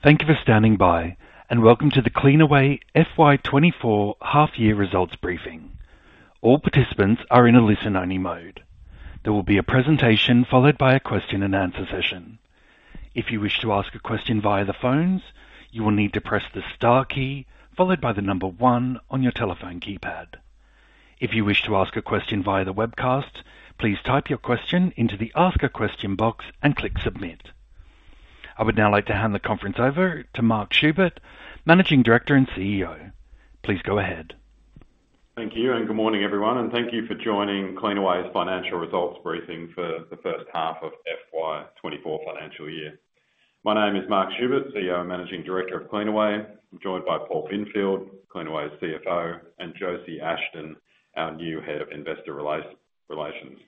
Thank you for standing by, and welcome to the Cleanaway FY24 half-year results briefing. All participants are in a listen-only mode. There will be a presentation followed by a question-and-answer session. If you wish to ask a question via the phones, you will need to press the star key followed by the number one on your telephone keypad. If you wish to ask a question via the webcast, please type your question into the Ask a Question box and click Submit. I would now like to hand the conference over to Mark Schubert, Managing Director and CEO. Please go ahead. Thank you, and good morning everyone, and thank you for joining Cleanaway's financial results briefing for the first half of FY24 financial year. My name is Mark Schubert, CEO and Managing Director of Cleanaway. I'm joined by Paul Binfield, Cleanaway's CFO, and Josie Ashton, our new Head of Investor Relations.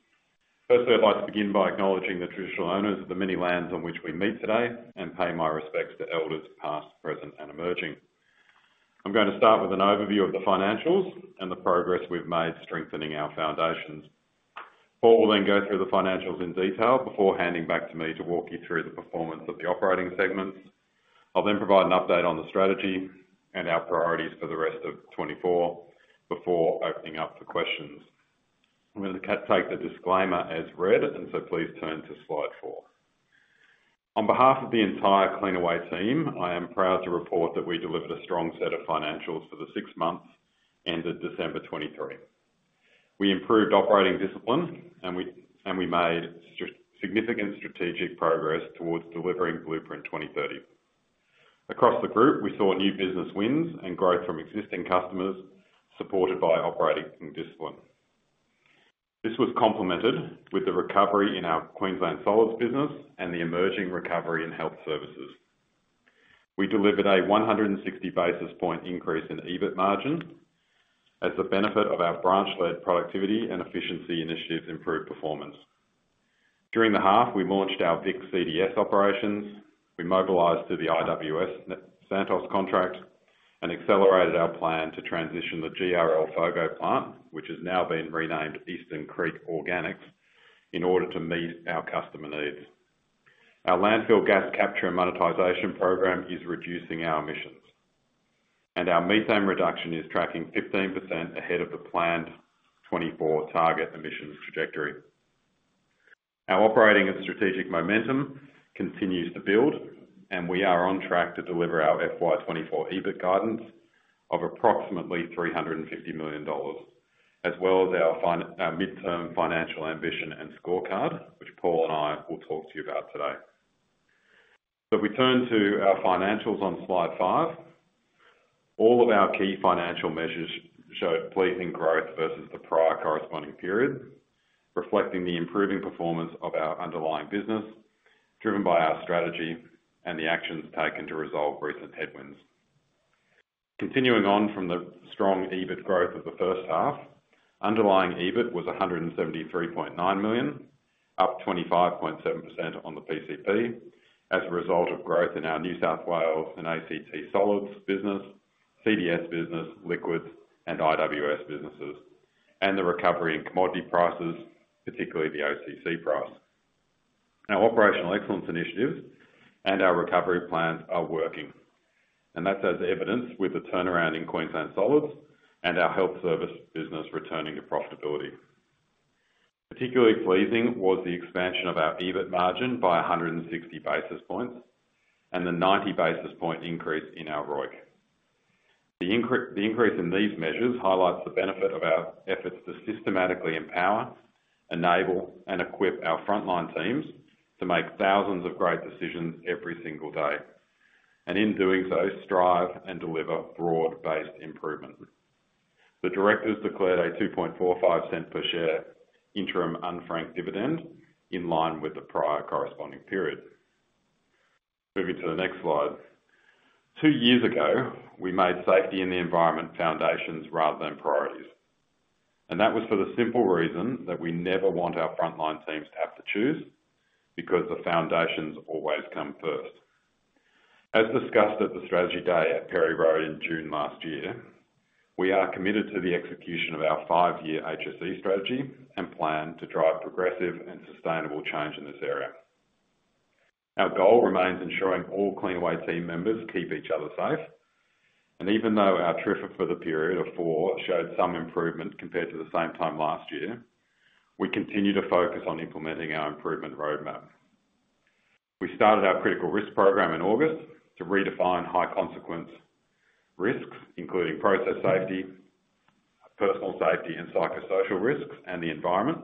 Firstly, I'd like to begin by acknowledging the traditional owners of the many lands on which we meet today and pay my respects to elders past, present, and emerging. I'm going to start with an overview of the financials and the progress we've made strengthening our foundations. Paul will then go through the financials in detail before handing back to me to walk you through the performance of the operating segments. I'll then provide an update on the strategy and our priorities for the rest of '24 before opening up for questions. I'm going to take the disclaimer as read, and so please turn to slide 4. On behalf of the entire Cleanaway team, I am proud to report that we delivered a strong set of financials for the six months ended December 2023. We improved operating discipline, and we made significant strategic progress towards delivering Blueprint 2030. Across the group, we saw new business wins and growth from existing customers supported by operating discipline. This was complemented with the recovery in our Queensland solids business and the emerging recovery in health services. We delivered a 160 basis point increase in EBIT margin as a benefit of our branch-led productivity and efficiency initiatives improved performance. During the half, we launched our Vic CDS operations. We mobilized to the IWS and Santos contract and accelerated our plan to transition the GRL FOGO plant, which has now been renamed Eastern Creek Organics, in order to meet our customer needs. Our landfill gas capture and monetization program is reducing our emissions, and our methane reduction is tracking 15% ahead of the planned 2024 target emissions trajectory. Our operating and strategic momentum continues to build, and we are on track to deliver our FY24 EBIT guidance of approximately 350 million dollars, as well as our firm mid-term financial ambition and scorecard, which Paul and I will talk to you about today. If we turn to our financials on slide 5, all of our key financial measures showed pleasing growth versus the prior corresponding period, reflecting the improving performance of our underlying business driven by our strategy and the actions taken to resolve recent headwinds. Continuing on from the strong EBIT growth of the first half, underlying EBIT was 173.9 million, up 25.7% on the PCP as a result of growth in our New South Wales and ACT solids business, CDS business, liquids, and IWS businesses, and the recovery in commodity prices, particularly the OCC price. Our operational excellence initiatives and our recovery plans are working, and that's as evidenced with the turnaround in Queensland solids and our health service business returning to profitability. Particularly pleasing was the expansion of our EBIT margin by 160 basis points and the 90 basis point increase in our ROIC. The increase in these measures highlights the benefit of our efforts to systematically empower, enable, and equip our frontline teams to make thousands of great decisions every single day and, in doing so, strive and deliver broad-based improvement. The directors declared a 0.0245 per share interim unfranked dividend in line with the prior corresponding period. Moving to the next slide. Two years ago, we made safety in the environment foundations rather than priorities, and that was for the simple reason that we never want our frontline teams to have to choose because the foundations always come first. As discussed at the strategy day at Perry Road in June last year, we are committed to the execution of our five-year HSE strategy and plan to drive progressive and sustainable change in this area. Our goal remains ensuring all Cleanaway team members keep each other safe. And even though our TRIFR for the period of 4 showed some improvement compared to the same time last year, we continue to focus on implementing our improvement roadmap. We started our critical risk program in August to redefine high-consequence risks, including process safety, personal safety, and psychosocial risks, and the environment.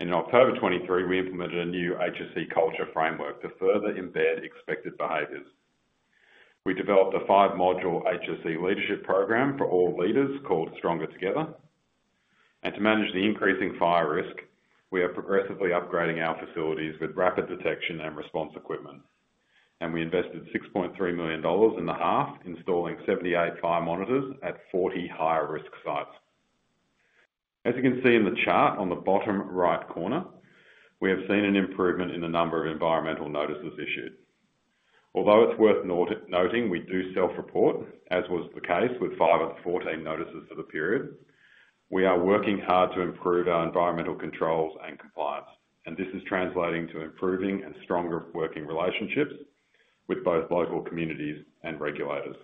In October 2023, we implemented a new HSE culture framework to further embed expected behaviors. We developed a 5-module HSE leadership program for all leaders called Stronger Together. To manage the increasing fire risk, we are progressively upgrading our facilities with rapid detection and response equipment. We invested 6.3 million dollars in the half, installing 78 fire monitors at 40 higher-risk sites. As you can see in the chart on the bottom right corner, we have seen an improvement in the number of environmental notices issued. Although it's worth noting, we do self-report, as was the case with 5 of the 14 notices for the period. We are working hard to improve our environmental controls and compliance, and this is translating to improving and stronger working relationships with both local communities and regulators.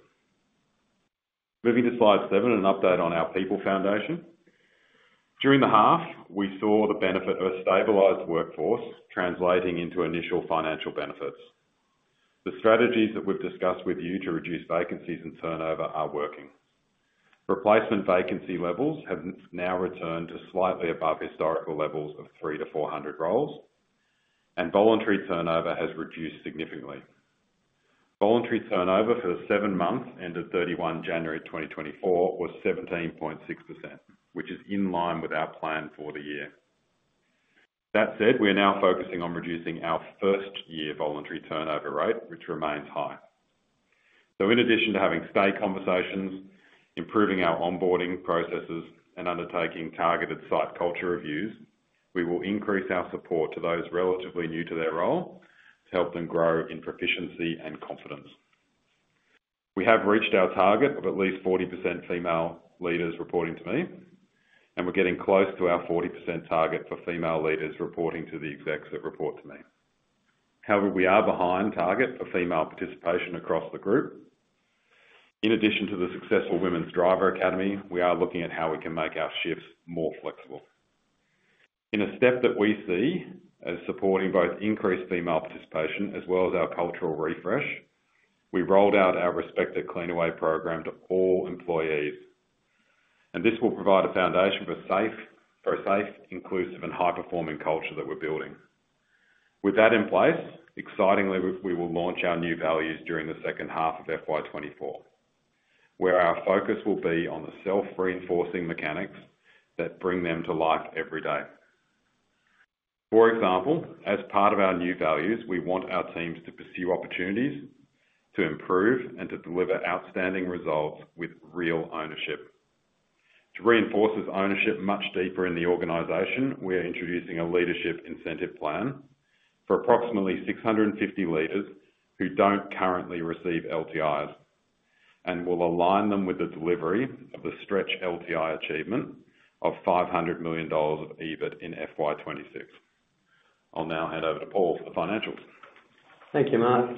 Moving to slide 7, an update on our people foundation. During the half, we saw the benefit of a stabilized workforce translating into initial financial benefits. The strategies that we've discussed with you to reduce vacancies and turnover are working. Replacement vacancy levels have now returned to slightly above historical levels of 3-400 roles, and voluntary turnover has reduced significantly. Voluntary turnover for the 7 months ended 31 January 2024 was 17.6%, which is in line with our plan for the year. That said, we are now focusing on reducing our first-year voluntary turnover rate, which remains high. So in addition to having stay conversations, improving our onboarding processes, and undertaking targeted site culture reviews, we will increase our support to those relatively new to their role to help them grow in proficiency and confidence. We have reached our target of at least 40% female leaders reporting to me, and we're getting close to our 40% target for female leaders reporting to the execs that report to me. However, we are behind target for female participation across the group. In addition to the successful Women's Driver Academy, we are looking at how we can make our shifts more flexible. In a step that we see as supporting both increased female participation as well as our cultural refresh, we rolled out our Respect@Cleanaway program to all employees. And this will provide a foundation for a safe, inclusive, and high-performing culture that we're building. With that in place, excitingly, we will launch our new values during the second half of FY24, where our focus will be on the self-reinforcing mechanics that bring them to life every day. For example, as part of our new values, we want our teams to pursue opportunities to improve and to deliver outstanding results with real ownership. To reinforce this ownership much deeper in the organization, we are introducing a leadership incentive plan for approximately 650 leaders who don't currently receive LTIs and will align them with the delivery of the stretch LTI achievement of 500 million dollars of EBIT in FY26. I'll now hand over to Paul for the financials. Thank you, Mark.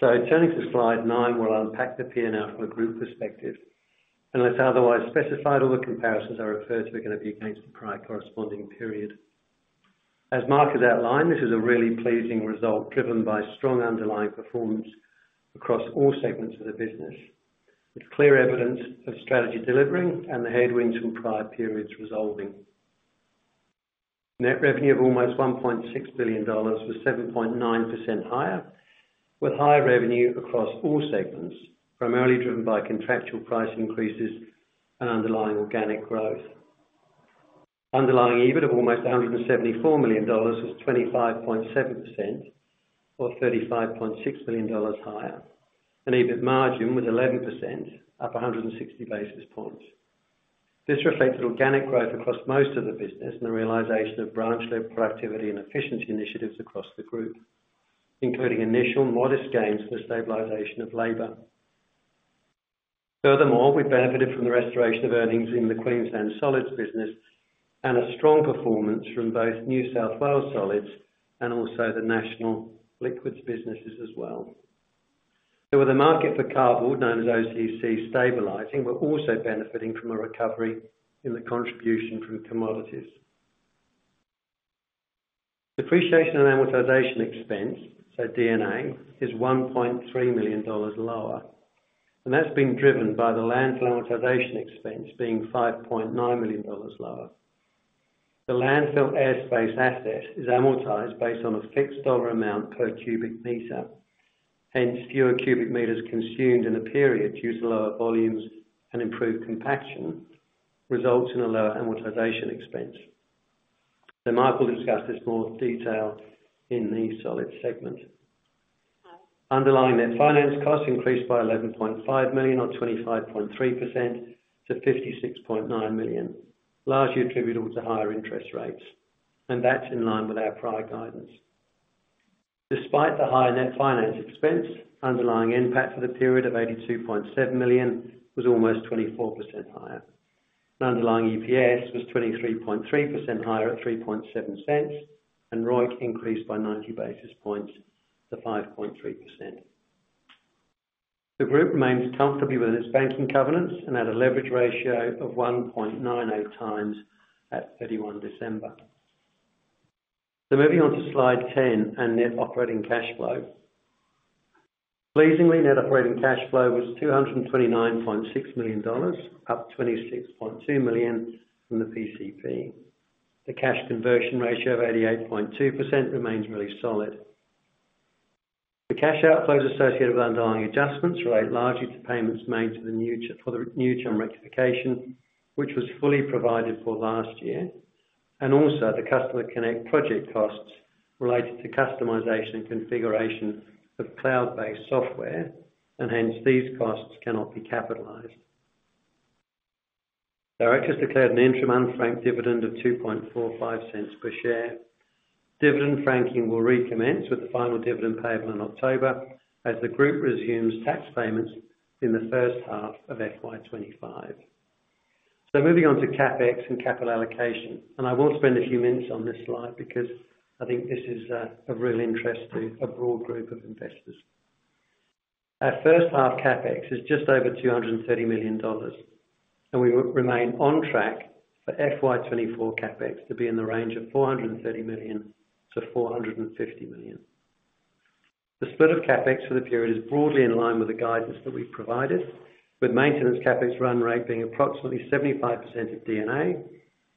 Turning to slide 9, we'll unpack the P&L from a group perspective. Unless otherwise specified, all the comparisons I refer to are going to be against the prior corresponding period. As Mark has outlined, this is a really pleasing result driven by strong underlying performance across all segments of the business. It's clear evidence of strategy delivering and the headwinds from prior periods resolving. Net revenue of almost 1.6 billion dollars was 7.9% higher, with higher revenue across all segments, primarily driven by contractual price increases and underlying organic growth. Underlying EBIT of almost 174 million dollars was 25.7% or 35.6 million dollars higher, and EBIT margin was 11%, up 160 basis points. This reflected organic growth across most of the business and the realization of branch-led productivity and efficiency initiatives across the group, including initial modest gains for the stabilization of labour. Furthermore, we benefited from the restoration of earnings in the Queensland solids business and a strong performance from both New South Wales solids and also the national liquids businesses as well. So with the market for carbon, known as OCC, stabilizing, we're also benefiting from a recovery in the contribution from commodities. Depreciation and amortization expense, so D&A, is 1.3 million dollars lower, and that's been driven by the landfill amortization expense being 5.9 million dollars lower. The landfill airspace asset is amortized based on a fixed dollar amount per cubic meter. Hence, fewer cubic meters consumed in a period due to lower volumes and improved compaction results in a lower amortization expense. So Mark will discuss this more detail in the solids segment. Underlying net finance costs increased by 11.5 million or 25.3% to 56.9 million, largely attributable to higher interest rates, and that's in line with our prior guidance. Despite the higher net finance expense, underlying NPAT for the period of 82.7 million was almost 24% higher. Underlying EPS was 23.3% higher at 0.037, and ROIC increased by 90 basis points to 5.3%. The group remains comfortably within its banking covenants and had a leverage ratio of 1.90 times at 31 December. Moving on to slide 10 and net operating cashflow. Pleasingly, net operating cashflow was 229.6 million dollars, up 26.2 million from the PCP. The cash conversion ratio of 88.2% remains really solid. The cash outflows associated with underlying adjustments relate largely to payments made to the New Chum for the New Chum rectification, which was fully provided for last year, and also the Customer Connect project costs related to customization and configuration of cloud-based software. And hence, these costs cannot be capitalized. Directors declared an interim unfranked dividend of 0.0245 per share. Dividend franking will recommence with the final dividend payable in October as the group resumes tax payments in the first half of FY 2025. So moving on to CapEx and capital allocation. And I will spend a few minutes on this slide because I think this is of real interest to a broad group of investors. Our first half CapEx is just over 230 million dollars, and we remain on track for FY 2024 CapEx to be in the range of 430 million-450 million. The split of CapEx for the period is broadly in line with the guidance that we've provided, with maintenance CapEx run rate being approximately 75% of D&A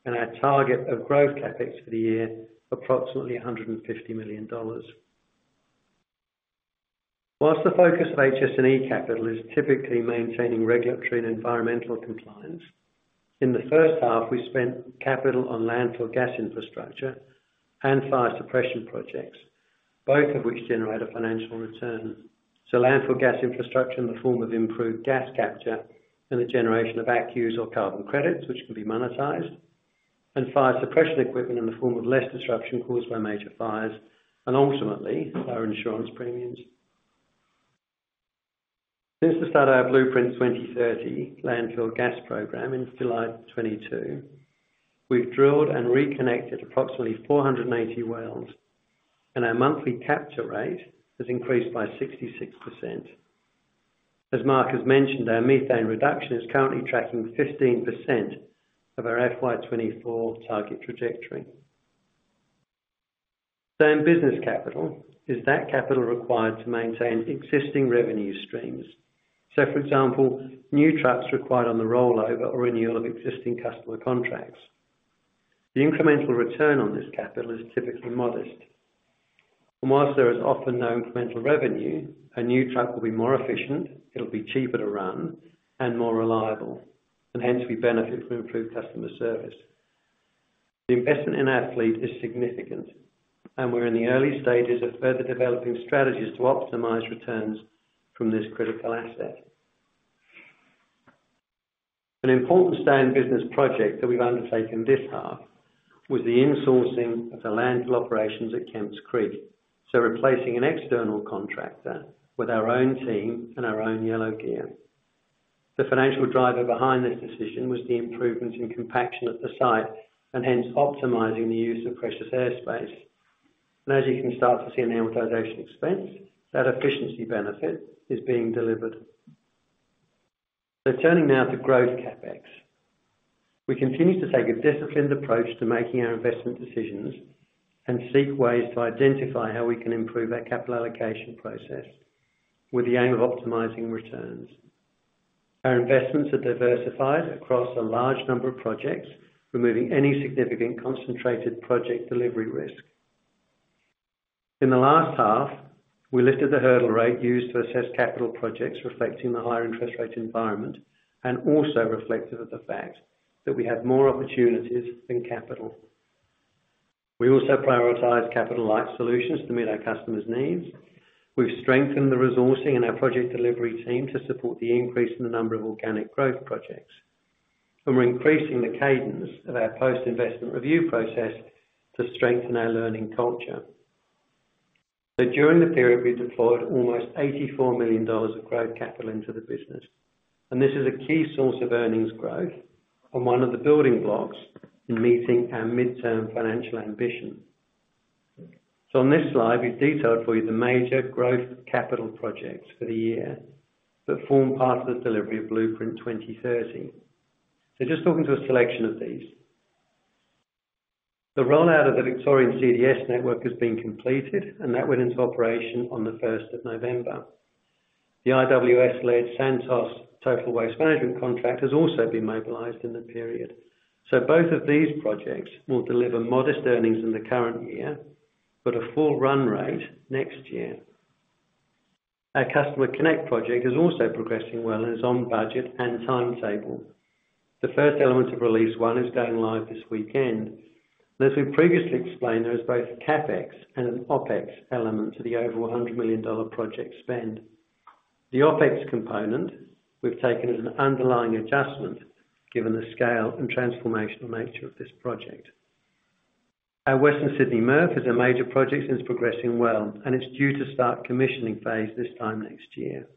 and our target of growth CapEx for the year, approximately 150 million dollars. While the focus of HSE capital is typically maintaining regulatory and environmental compliance, in the first half, we spent capital on landfill gas infrastructure and fire suppression projects, both of which generate a financial return. So landfill gas infrastructure in the form of improved gas capture and the generation of ACCUs or carbon credits, which can be monetized, and fire suppression equipment in the form of less disruption caused by major fires, and ultimately, lower insurance premiums. Since the start of our Blueprint 2030 landfill gas program in July 2022, we've drilled and reconnected approximately 480 wells, and our monthly capture rate has increased by 66%. As Mark has mentioned, our methane reduction is currently tracking 15% of our FY24 target trajectory. Same business capital. Is that capital required to maintain existing revenue streams? So, for example, new trucks required on the rollover or renewal of existing customer contracts. The incremental return on this capital is typically modest. While there is often no incremental revenue, a new truck will be more efficient, it'll be cheaper to run, and more reliable. Hence, we benefit from improved customer service. The investment in our fleet is significant, and we're in the early stages of further developing strategies to optimize returns from this critical asset. An important stay-in-business project that we've undertaken this half was the insourcing of the landfill operations at Kemps Creek. Replacing an external contractor with our own team and our own Yellow Gear. The financial driver behind this decision was the improvement in compaction at the site and hence optimizing the use of precious airspace. As you can start to see an amortization expense, that efficiency benefit is being delivered. Turning now to growth CapEx. We continue to take a disciplined approach to making our investment decisions and seek ways to identify how we can improve our capital allocation process with the aim of optimizing returns. Our investments are diversified across a large number of projects, removing any significant concentrated project delivery risk. In the last half, we lifted the hurdle rate used to assess capital projects reflecting the higher interest rate environment and also reflective of the fact that we have more opportunities than capital. We also prioritize capital-light solutions to meet our customers' needs. We've strengthened the resourcing in our project delivery team to support the increase in the number of organic growth projects. And we're increasing the cadence of our post-investment review process to strengthen our learning culture. So during the period, we've deployed almost 84 million dollars of growth capital into the business. This is a key source of earnings growth and one of the building blocks in meeting our midterm financial ambition. So on this slide, we've detailed for you the major growth capital projects for the year that form part of the delivery of Blueprint 2030. So just talking to a selection of these. The rollout of the Victorian CDS network has been completed, and that went into operation on the 1st of November. The IWS-led Santos Total Waste Management contract has also been mobilised in the period. So both of these projects will deliver modest earnings in the current year but a full run rate next year. Our Customer Connect project is also progressing well and is on budget and timetable. The first element of release one is going live this weekend. As we previously explained, there is both a CapEx and an OpEx element to the over 100 million dollar project spend. The OpEx component, we've taken as an underlying adjustment given the scale and transformational nature of this project. Our Western Sydney MRF is a major project that's progressing well, and it's due to start commissioning phase this time next year.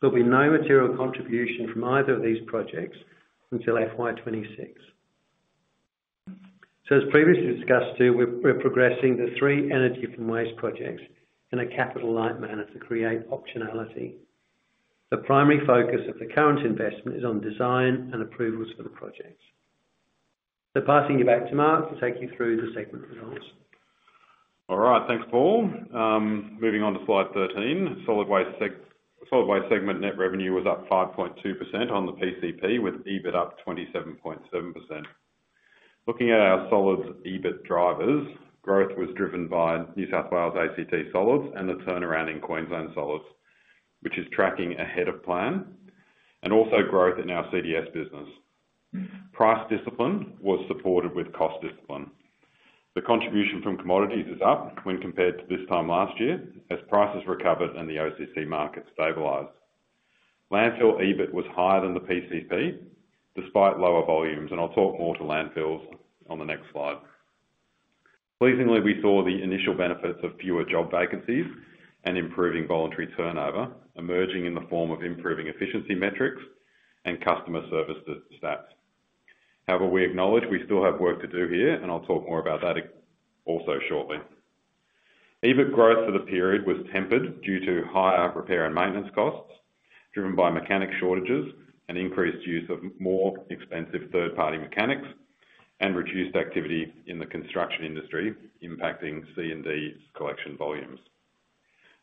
There'll be no material contribution from either of these projects until FY26. As previously discussed too, we're progressing the three energy from waste projects in a capital-light manner to create optionality. The primary focus of the current investment is on design and approvals for the projects. Passing you back to Mark to take you through the segment results. All right. Thanks, Paul. Moving on to slide 13. Solid waste segment net revenue was up 5.2% on the PCP with EBIT up 27.7%. Looking at our solids EBIT drivers, growth was driven by New South Wales ACT solids and the turnaround in Queensland solids, which is tracking ahead of plan, and also growth in our CDS business. Price discipline was supported with cost discipline. The contribution from commodities is up when compared to this time last year as prices recovered and the OCC market stabilized. Landfill EBIT was higher than the PCP despite lower volumes, and I'll talk more to landfills on the next slide. Pleasingly, we saw the initial benefits of fewer job vacancies and improving voluntary turnover emerging in the form of improving efficiency metrics and customer service stats. However, we acknowledge we still have work to do here, and I'll talk more about that I also shortly. EBIT growth for the period was tempered due to higher repair and maintenance costs driven by mechanic shortages and increased use of more expensive third-party mechanics and reduced activity in the construction industry impacting C&D collection volumes.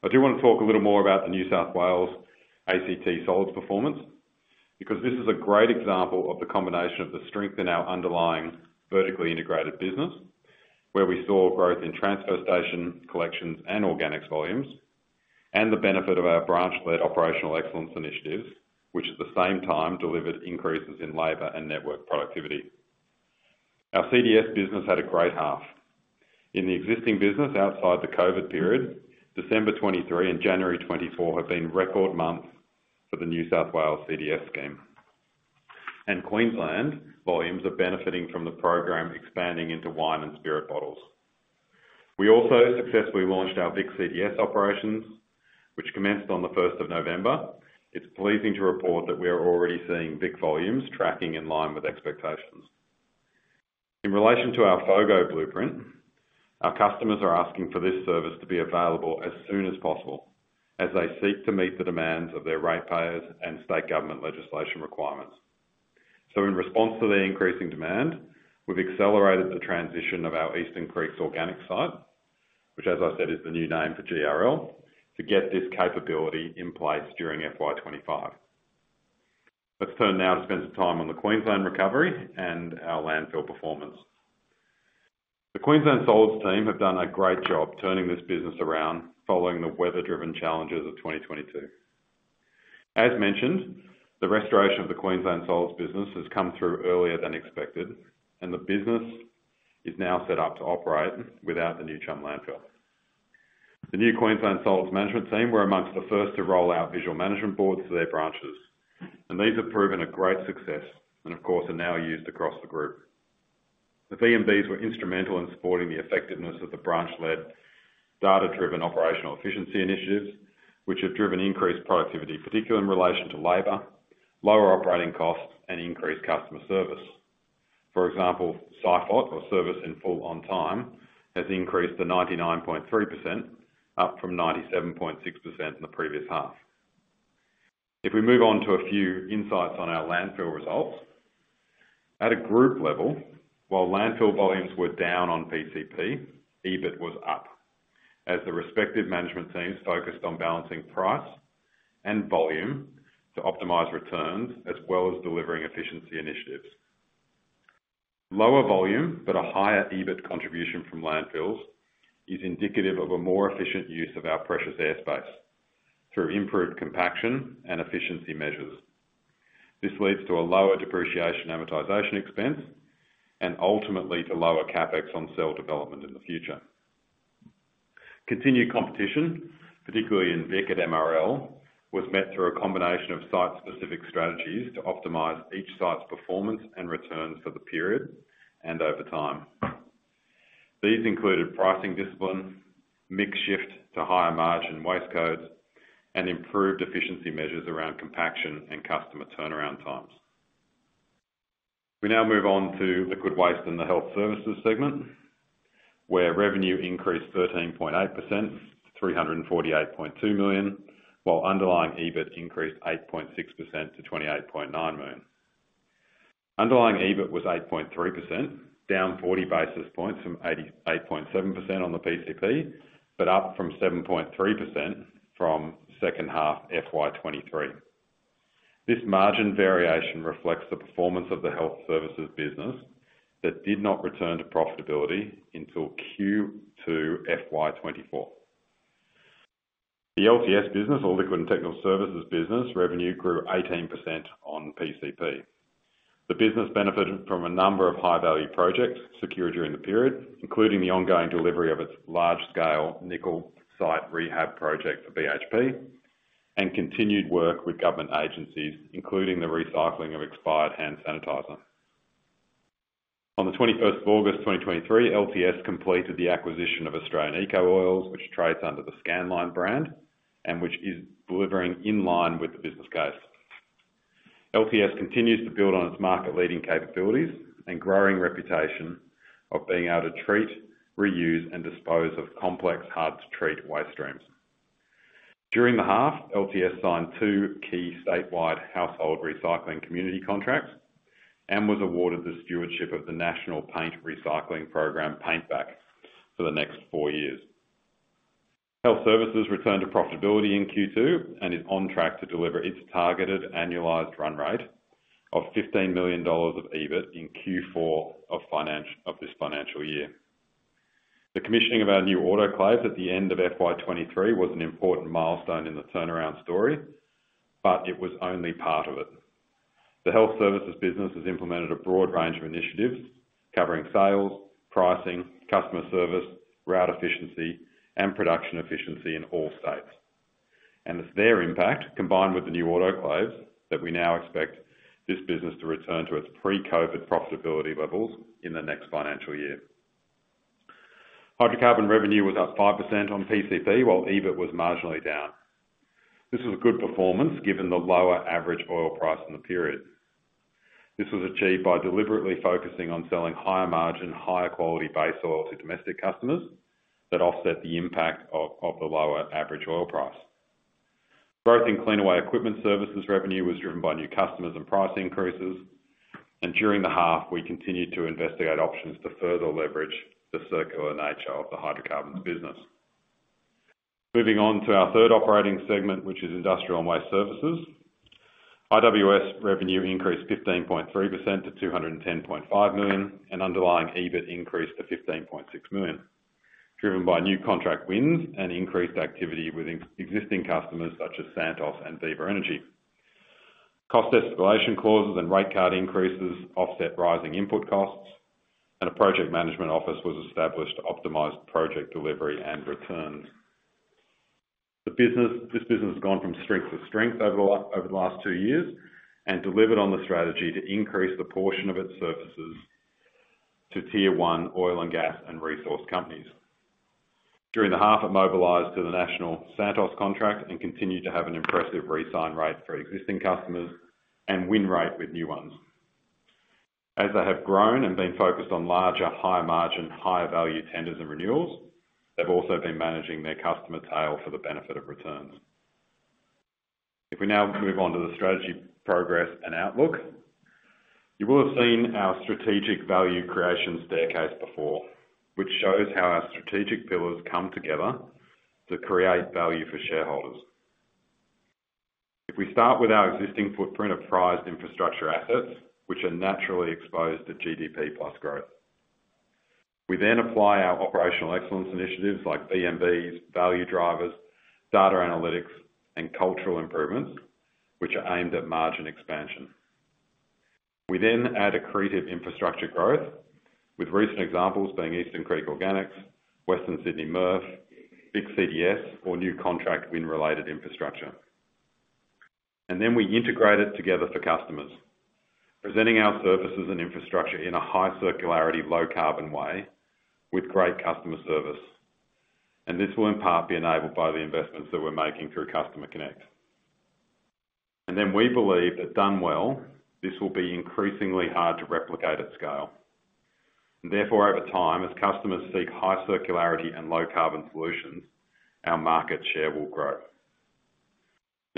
I do wanna talk a little more about the New South Wales ACT solids performance because this is a great example of the combination of the strength in our underlying vertically integrated business where we saw growth in transfer station collections and organics volumes and the benefit of our branch-led operational excellence initiatives, which at the same time delivered increases in labour and network productivity. Our CDS business had a great half. In the existing business outside the COVID period, December 2023 and January 2024 have been record months for the New South Wales CDS scheme. Queensland volumes are benefiting from the program expanding into wine and spirit bottles. We also successfully launched our vic CDS operations, which commenced on the 1st of November. It's pleasing to report that we are already seeing vic volumes tracking in line with expectations. In relation to our FOGO Blueprint, our customers are asking for this service to be available as soon as possible as they seek to meet the demands of their ratepayers and state government legislation requirements. In response to the increasing demand, we've accelerated the transition of our Eastern Creek organic site, which, as I said, is the new name for GRL, to get this capability in place during FY25. Let's turn now to spend some time on the Queensland recovery and our landfill performance. The Queensland solids team have done a great job turning this business around following the weather-driven challenges of 2022. As mentioned, the restoration of the Queensland solids business has come through earlier than expected, and the business is now set up to operate without the New Chum landfill. The new Queensland solids management team, we're among the first to roll out visual management boards for their branches. And these have proven a great success and, of course, are now used across the group. The VMBs were instrumental in supporting the effectiveness of the branch-led data-driven operational efficiency initiatives, which have driven increased productivity, particularly in relation to labor, lower operating costs, and increased customer service. For example, SIFOT, or service in full on time, has increased to 99.3%, up from 97.6% in the previous half. If we move on to a few insights on our landfill results. At a group level, while landfill volumes were down on PCP, EBIT was up as the respective management teams focused on balancing price and volume to optimize returns as well as delivering efficiency initiatives. Lower volume but a higher EBIT contribution from landfills is indicative of a more efficient use of our precious airspace through improved compaction and efficiency measures. This leads to a lower depreciation amortization expense and ultimately to lower CapEx on cell development in the future. Continued competition, particularly in vic at MRL, was met through a combination of site-specific strategies to optimize each site's performance and returns for the period and over time. These included pricing discipline, mix shift to higher margin waste codes, and improved efficiency measures around compaction and customer turnaround times. We now move on to liquid waste and the health services segment where revenue increased 13.8% to 348.2 million, while underlying EBIT increased 8.6% to 28.9 million. Underlying EBIT was 8.3%, down 40 basis points from 88.7% on the PCP but up from 7.3% from second half FY23. This margin variation reflects the performance of the health services business that did not return to profitability until Q2 FY24. The LTS business, or liquid and technical services business, revenue grew 18% on PCP. The business benefited from a number of high-value projects secured during the period, including the ongoing delivery of its large-scale nickel site rehab project for BHP and continued work with government agencies, including the recycling of expired hand sanitizer. On the 21st of August 2023, LTS completed the acquisition of Australian Eco Oils, which trades under the Scanline brand and which is delivering in line with the business case. LTS continues to build on its market-leading capabilities and growing reputation of being able to treat, reuse, and dispose of complex, hard-to-treat waste streams. During the half, LTS signed two key statewide household recycling community contracts and was awarded the stewardship of the national paint recycling program, Paintback, for the next four years. Health services returned to profitability in Q2 and is on track to deliver its targeted annualized run rate of 15 million dollars of EBIT in Q4 of financial of this financial year. The commissioning of our new autoclave at the end of FY2023 was an important milestone in the turnaround story, but it was only part of it. The health services business has implemented a broad range of initiatives covering sales, pricing, customer service, route efficiency, and production efficiency in all states. It's their impact, combined with the new autoclaves, that we now expect this business to return to its pre-COVID profitability levels in the next financial year. Hydrocarbon revenue was up 5% on PCP while EBIT was marginally down. This was a good performance given the lower average oil price in the period. This was achieved by deliberately focusing on selling higher-margin, higher-quality base oil to domestic customers that offset the impact of the lower average oil price. Growth in Cleanaway Equipment Services revenue was driven by new customers and price increases. During the half, we continued to investigate options to further leverage the circular nature of the hydrocarbons business. Moving on to our third operating segment, which is industrial and waste services. IWS revenue increased 15.3% to 210.5 million, and underlying EBIT increased to 15.6 million driven by new contract wins and increased activity with existing customers such as Santos and Viva Energy. Cost escalation clauses and rate card increases offset rising input costs, and a project management office was established to optimize project delivery and returns. This business has gone from strength to strength over the last two years and delivered on the strategy to increase the portion of its services to tier one oil and gas and resource companies. During the half, it mobilized to the national Santos contract and continued to have an impressive re-sign rate for existing customers and win rate with new ones. As they have grown and been focused on larger, higher-margin, higher-value tenders and renewals, they've also been managing their customer tail for the benefit of returns. If we now move on to the strategy progress and outlook, you will have seen our strategic value creation staircase before, which shows how our strategic pillars come together to create value for shareholders. If we start with our existing footprint of prized infrastructure assets, which are naturally exposed to GDP-plus growth, we then apply our operational excellence initiatives like VMBs, value drivers, data analytics, and cultural improvements, which are aimed at margin expansion. We then add accretive infrastructure growth with recent examples being Eastern Creek Organics, Western Sydney MRF, vic CDS, or new contract win-related infrastructure. And then we integrate it together for customers, presenting our services and infrastructure in a high circularity, low-carbon way with great customer service. And this will in part be enabled by the investments that we're making through Customer Connect. And then we believe that done well, this will be increasingly hard to replicate at scale. And therefore, over time, as customers seek high circularity and low-carbon solutions, our market share will grow.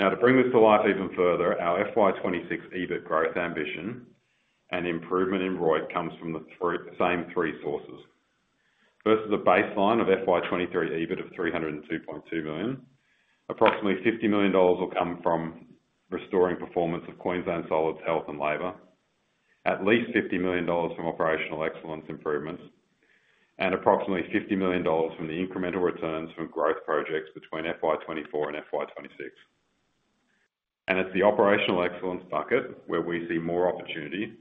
Now, to bring this to life even further, our FY26 EBIT growth ambition and improvement in ROI comes from the three same three sources. First, as a baseline of FY23 EBIT of 302.2 million, approximately 50 million dollars will come from restoring performance of Queensland solids health and labor, at least 50 million dollars from operational excellence improvements, and approximately 50 million dollars from the incremental returns from growth projects between FY24 and FY26. And it's the operational excellence bucket where we see more opportunity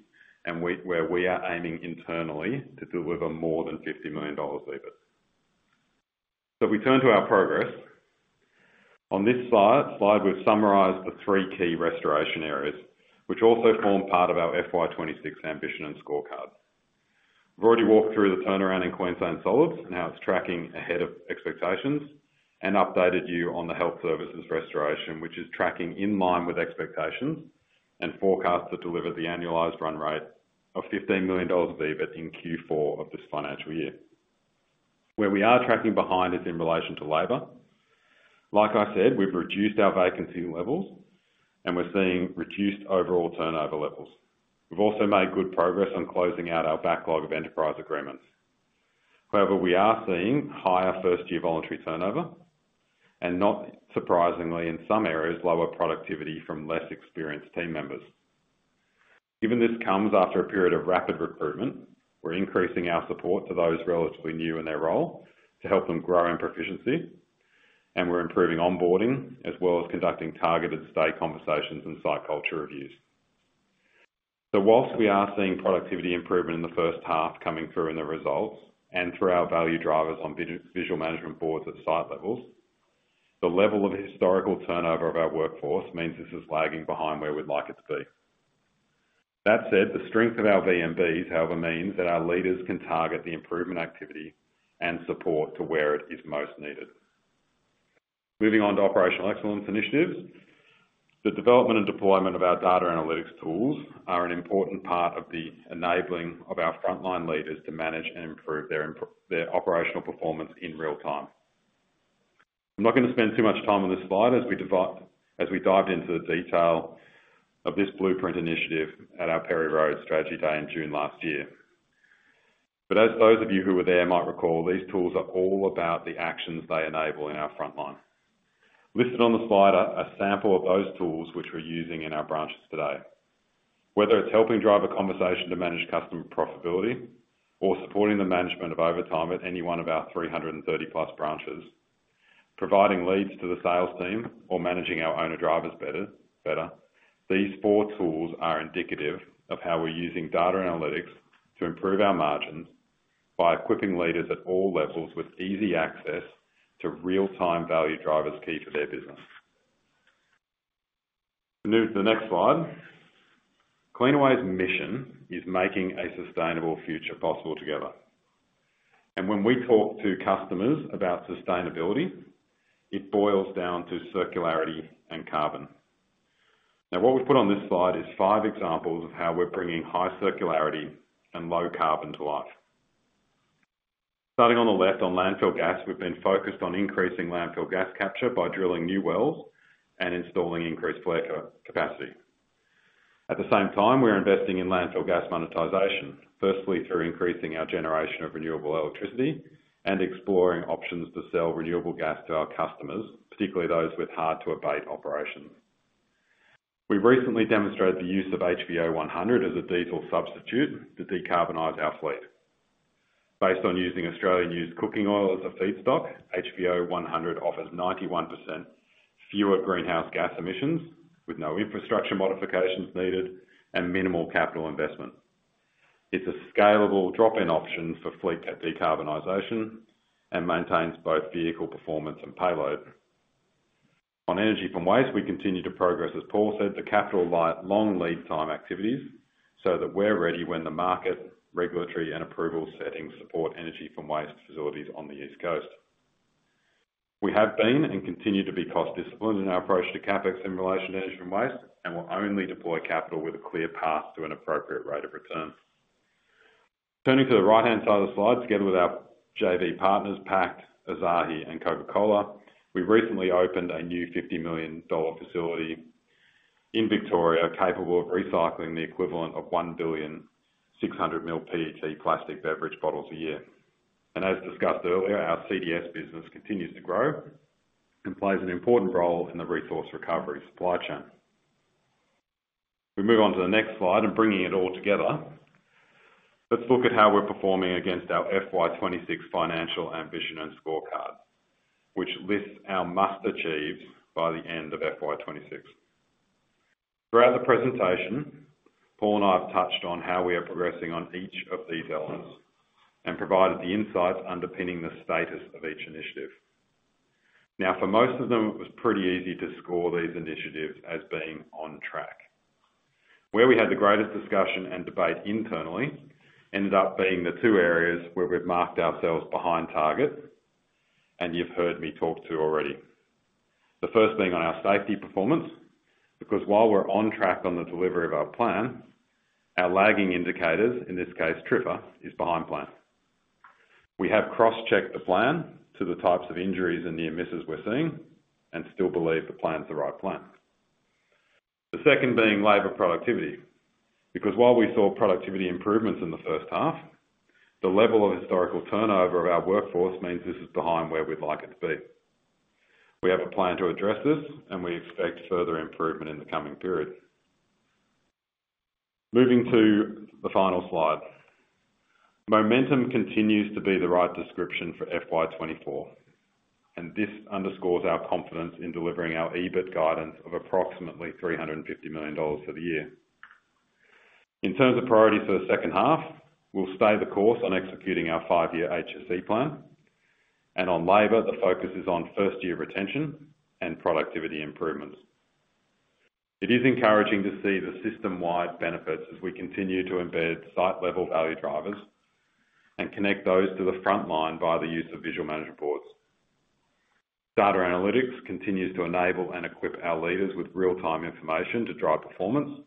and where we are aiming internally to deliver more than 50 million dollars EBIT. If we turn to our progress, on this slide, we've summarized the three key restoration areas, which also form part of our FY26 ambition and scorecard. We've already walked through the turnaround in Queensland solids and how it's tracking ahead of expectations and updated you on the health services restoration, which is tracking in line with expectations and forecasts that deliver the annualized run rate of 15 million dollars of EBIT in Q4 of this financial year. Where we are tracking behind is in relation to labor. Like I said, we've reduced our vacancy levels, and we're seeing reduced overall turnover levels. We've also made good progress on closing out our backlog of enterprise agreements. However, we are seeing higher first-year voluntary turnover and, not surprisingly, in some areas, lower productivity from less experienced team members. Given this comes after a period of rapid recruitment, we're increasing our support to those relatively new in their role to help them grow in proficiency. We're improving onboarding as well as conducting targeted stay conversations and site culture reviews. While we are seeing productivity improvement in the first half coming through in the results and through our value drivers on visual management boards at site levels, the level of historical turnover of our workforce means this is lagging behind where we'd like it to be. That said, the strength of our VMBs, however, means that our leaders can target the improvement activity and support to where it is most needed. Moving on to operational excellence initiatives. The development and deployment of our data analytics tools are an important part of the enabling of our frontline leaders to manage and improve their operational performance in real time. I'm not going to spend too much time on this slide as we dived into the detail of this Blueprint initiative at our Perry Road Strategy Day in June last year. But as those of you who were there might recall, these tools are all about the actions they enable in our frontline. Listed on the slide are a sample of those tools which we're using in our branches today. Whether it's helping drive a conversation to manage customer profitability or supporting the management of overtime at any one of our 330-plus branches, providing leads to the sales team, or managing our owner drivers better, these four tools are indicative of how we're using data analytics to improve our margins by equipping leaders at all levels with easy access to real-time value drivers key for their business. Move to the next slide. Cleanaway's mission is making a sustainable future possible together. When we talk to customers about sustainability, it boils down to circularity and carbon. Now, what we've put on this slide is five examples of how we're bringing high circularity and low carbon to life. Starting on the left on landfill gas, we've been focused on increasing landfill gas capture by drilling new wells and installing increased flare capacity. At the same time, we're investing in landfill gas monetisation, firstly through increasing our generation of renewable electricity and exploring options to sell renewable gas to our customers, particularly those with hard-to-abate operations. We've recently demonstrated the use of HVO 100 as a diesel substitute to decarbonise our fleet. Based on using Australian-used cooking oil as a feedstock, HVO 100 offers 91% fewer greenhouse gas emissions with no infrastructure modifications needed and minimal capital investment. It's a scalable drop-in option for fleet decarbonisation and maintains both vehicle performance and payload. On energy from waste, we continue to progress, as Paul said, to capital-light long lead time activities so that we're ready when the market, regulatory, and approval settings support energy from waste facilities on the East Coast. We have been and continue to be cost disciplined in our approach to CapEx in relation to energy from waste, and we'll only deploy capital with a clear path to an appropriate rate of return. Turning to the right-hand side of the slide, together with our JV partners, Pact, Asahi, and Coca-Cola, we recently opened a new 50 million dollar facility in Victoria capable of recycling the equivalent of 1.6 billion PET plastic beverage bottles a year. As discussed earlier, our CDS business continues to grow and plays an important role in the resource recovery supply chain. We move on to the next slide and bringing it all together. Let's look at how we're performing against our FY26 financial ambition and scorecard, which lists our must achieves by the end of FY26. Throughout the presentation, Paul and I have touched on how we are progressing on each of these elements and provided the insights underpinning the status of each initiative. Now, for most of them, it was pretty easy to score these initiatives as being on track. Where we had the greatest discussion and debate internally ended up being the two areas where we've marked ourselves behind target, and you've heard me talk to already. The first being on our safety performance because while we're on track on the delivery of our plan, our lagging indicators, in this case, TRIFR, is behind plan. We have cross-checked the plan to the types of injuries and near misses we're seeing and still believe the plan's the right plan. The second being labor productivity because while we saw productivity improvements in the first half, the level of historical turnover of our workforce means this is behind where we'd like it to be. We have a plan to address this, and we expect further improvement in the coming period. Moving to the final slide. Momentum continues to be the right description for FY24, and this underscores our confidence in delivering our EBIT guidance of approximately 350 million dollars for the year. In terms of priority for the second half, we'll stay the course on executing our five-year HSE plan. On labor, the focus is on first-year retention and productivity improvements. It is encouraging to see the system-wide benefits as we continue to embed site-level value drivers and connect those to the frontline by the use of visual management boards. Data analytics continues to enable and equip our leaders with real-time information to drive performance.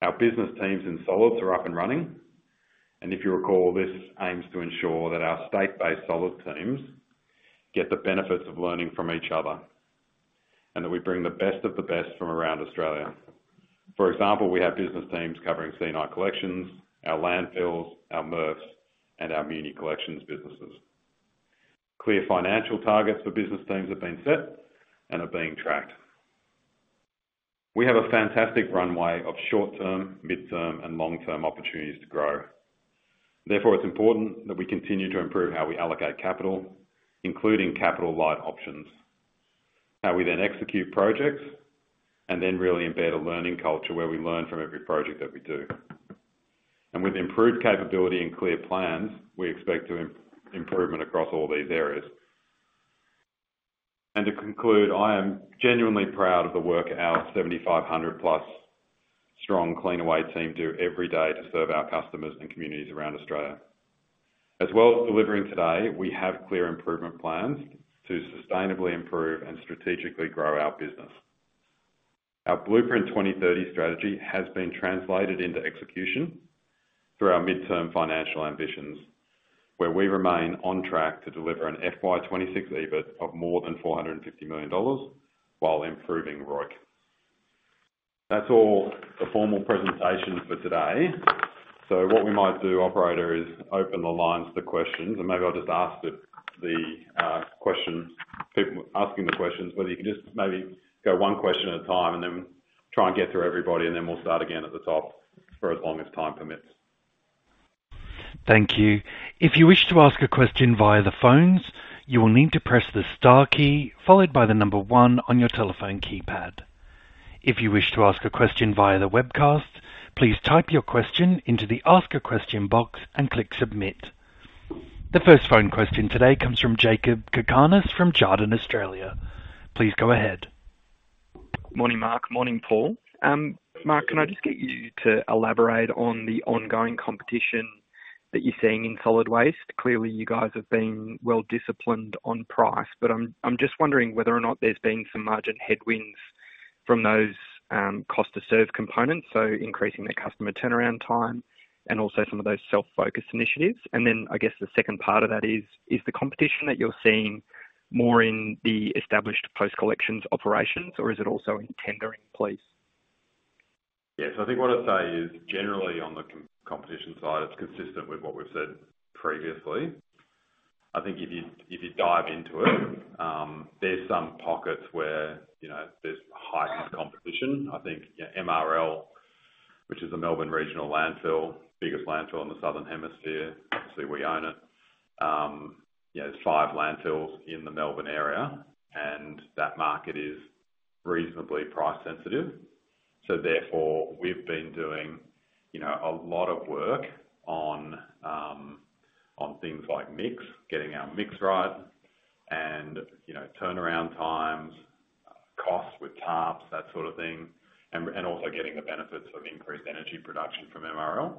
Our business teams in solids are up and running. And if you recall, this aims to ensure that our state-based solids teams get the benefits of learning from each other and that we bring the best of the best from around Australia. For example, we have business teams covering C&L collections, our landfills, our MRFs, and our muni collections businesses. Clear financial targets for business teams have been set and are being tracked. We have a fantastic runway of short-term, mid-term, and long-term opportunities to grow. Therefore, it's important that we continue to improve how we allocate capital, including capital-light options, how we then execute projects, and then really embed a learning culture where we learn from every project that we do. And with improved capability and clear plans, we expect improvement across all these areas. And to conclude, I am genuinely proud of the work our 7,500+ strong Cleanaway team do every day to serve our customers and communities around Australia. As well as delivering today, we have clear improvement plans to sustainably improve and strategically grow our business. Our Blueprint 2030 strategy has been translated into execution through our mid-term financial ambitions, where we remain on track to deliver an FY26 EBIT of more than 450 million dollars while improving ROIC. That's all the formal presentation for today. So what we might do, operator, is open the lines to questions. Maybe I'll just ask the question asking the questions, whether you can just maybe go one question at a time and then try and get through everybody, and then we'll start again at the top for as long as time permits. Thank you. If you wish to ask a question via the phones, you will need to press the star key followed by the number one on your telephone keypad. If you wish to ask a question via the webcast, please type your question into the Ask a Question box and click Submit. The first phone question today comes from Jakob Cakarnis from Jarden, Australia. Please go ahead. Morning, Mark. Morning, Paul. Mark, can I just get you to elaborate on the ongoing competition that you're seeing in solid waste? Clearly, you guys have been well-disciplined on price, but I'm just wondering whether or not there's been some margin headwinds from those cost-to-serve components, so increasing their customer turnaround time and also some of those self-focused initiatives. And then, I guess, the second part of that is, is the competition that you're seeing more in the established post-collections operations, or is it also in tendering, please? Yes. I think what I'd say is, generally, on the competition side, it's consistent with what we've said previously. I think if you dive into it, there's some pockets where there's heightened competition. I think MRL, which is the Melbourne Regional Landfill, biggest landfill in the southern hemisphere - obviously, we own it - there's five landfills in the Melbourne area, and that market is reasonably price-sensitive. So therefore, we've been doing a lot of work on things like mix, getting our mix right, and turnaround times, costs with TARPs, that sort of thing, and also getting the benefits of increased energy production from MRL.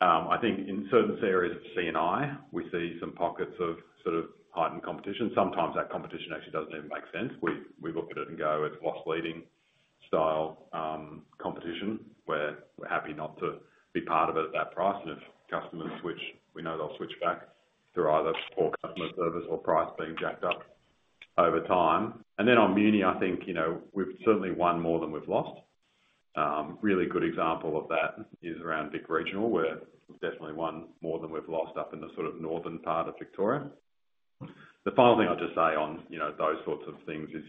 I think in certain areas of C&I, we see some pockets of sort of heightened competition. Sometimes that competition actually doesn't even make sense. We look at it and go, "It's loss-leading style competition," where we're happy not to be part of it at that price. And if customers switch we know they'll switch back through either poor customer service or price being jacked up over time. And then on muni, I think we've certainly won more than we've lost. Really good example of that is around Vic Regional, where we've definitely won more than we've lost up in the sort of northern part of Victoria. The final thing I'd just say on those sorts of things is,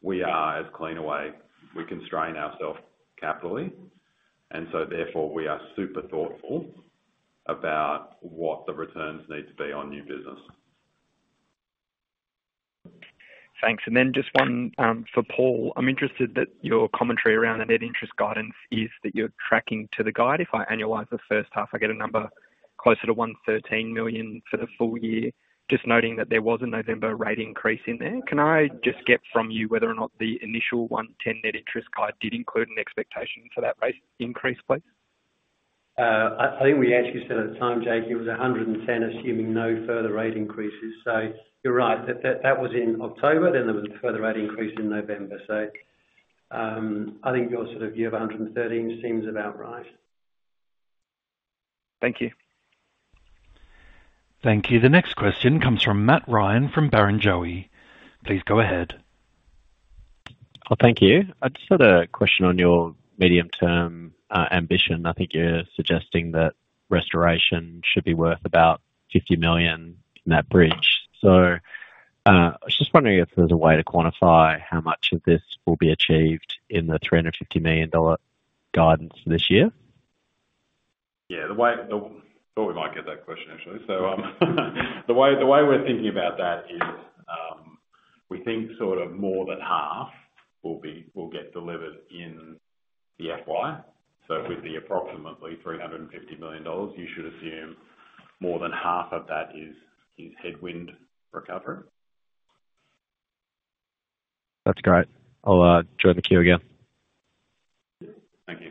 we are, as Cleanaway, we constrain ourselves capitally. And so therefore, we are super thoughtful about what the returns need to be on new business. Thanks. And then just one for Paul. I'm interested that your commentary around the net interest guidance is that you're tracking to the guide. If I analyse the first half, I get a number closer to 113 million for the full year, just noting that there was a November rate increase in there. Can I just get from you whether or not the initial 110 million net interest guide did include an expectation for that rate increase, please? I think we actually said at the time, Jake, it was 110 million, assuming no further rate increases. So you're right. That was in October. Then there was a further rate increase in November. So I think your sort of year of 113 seems about right. Thank you. Thank you. The next question comes from Matt Ryan from Barrenjoey. Please go ahead. Oh, thank you. I just had a question on your medium-term ambition. I think you're suggesting that restoration should be worth about 50 million in that bridge. So I was just wondering if there's a way to quantify how much of this will be achieved in the 350 million dollar guidance this year. Yeah. I thought we might get that question, actually. So the way we're thinking about that is, we think sort of more than half will get delivered in the FY. So with the approximately 350 million dollars, you should assume more than half of that is headwind recovery. That's great. I'll join the queue again. Thank you.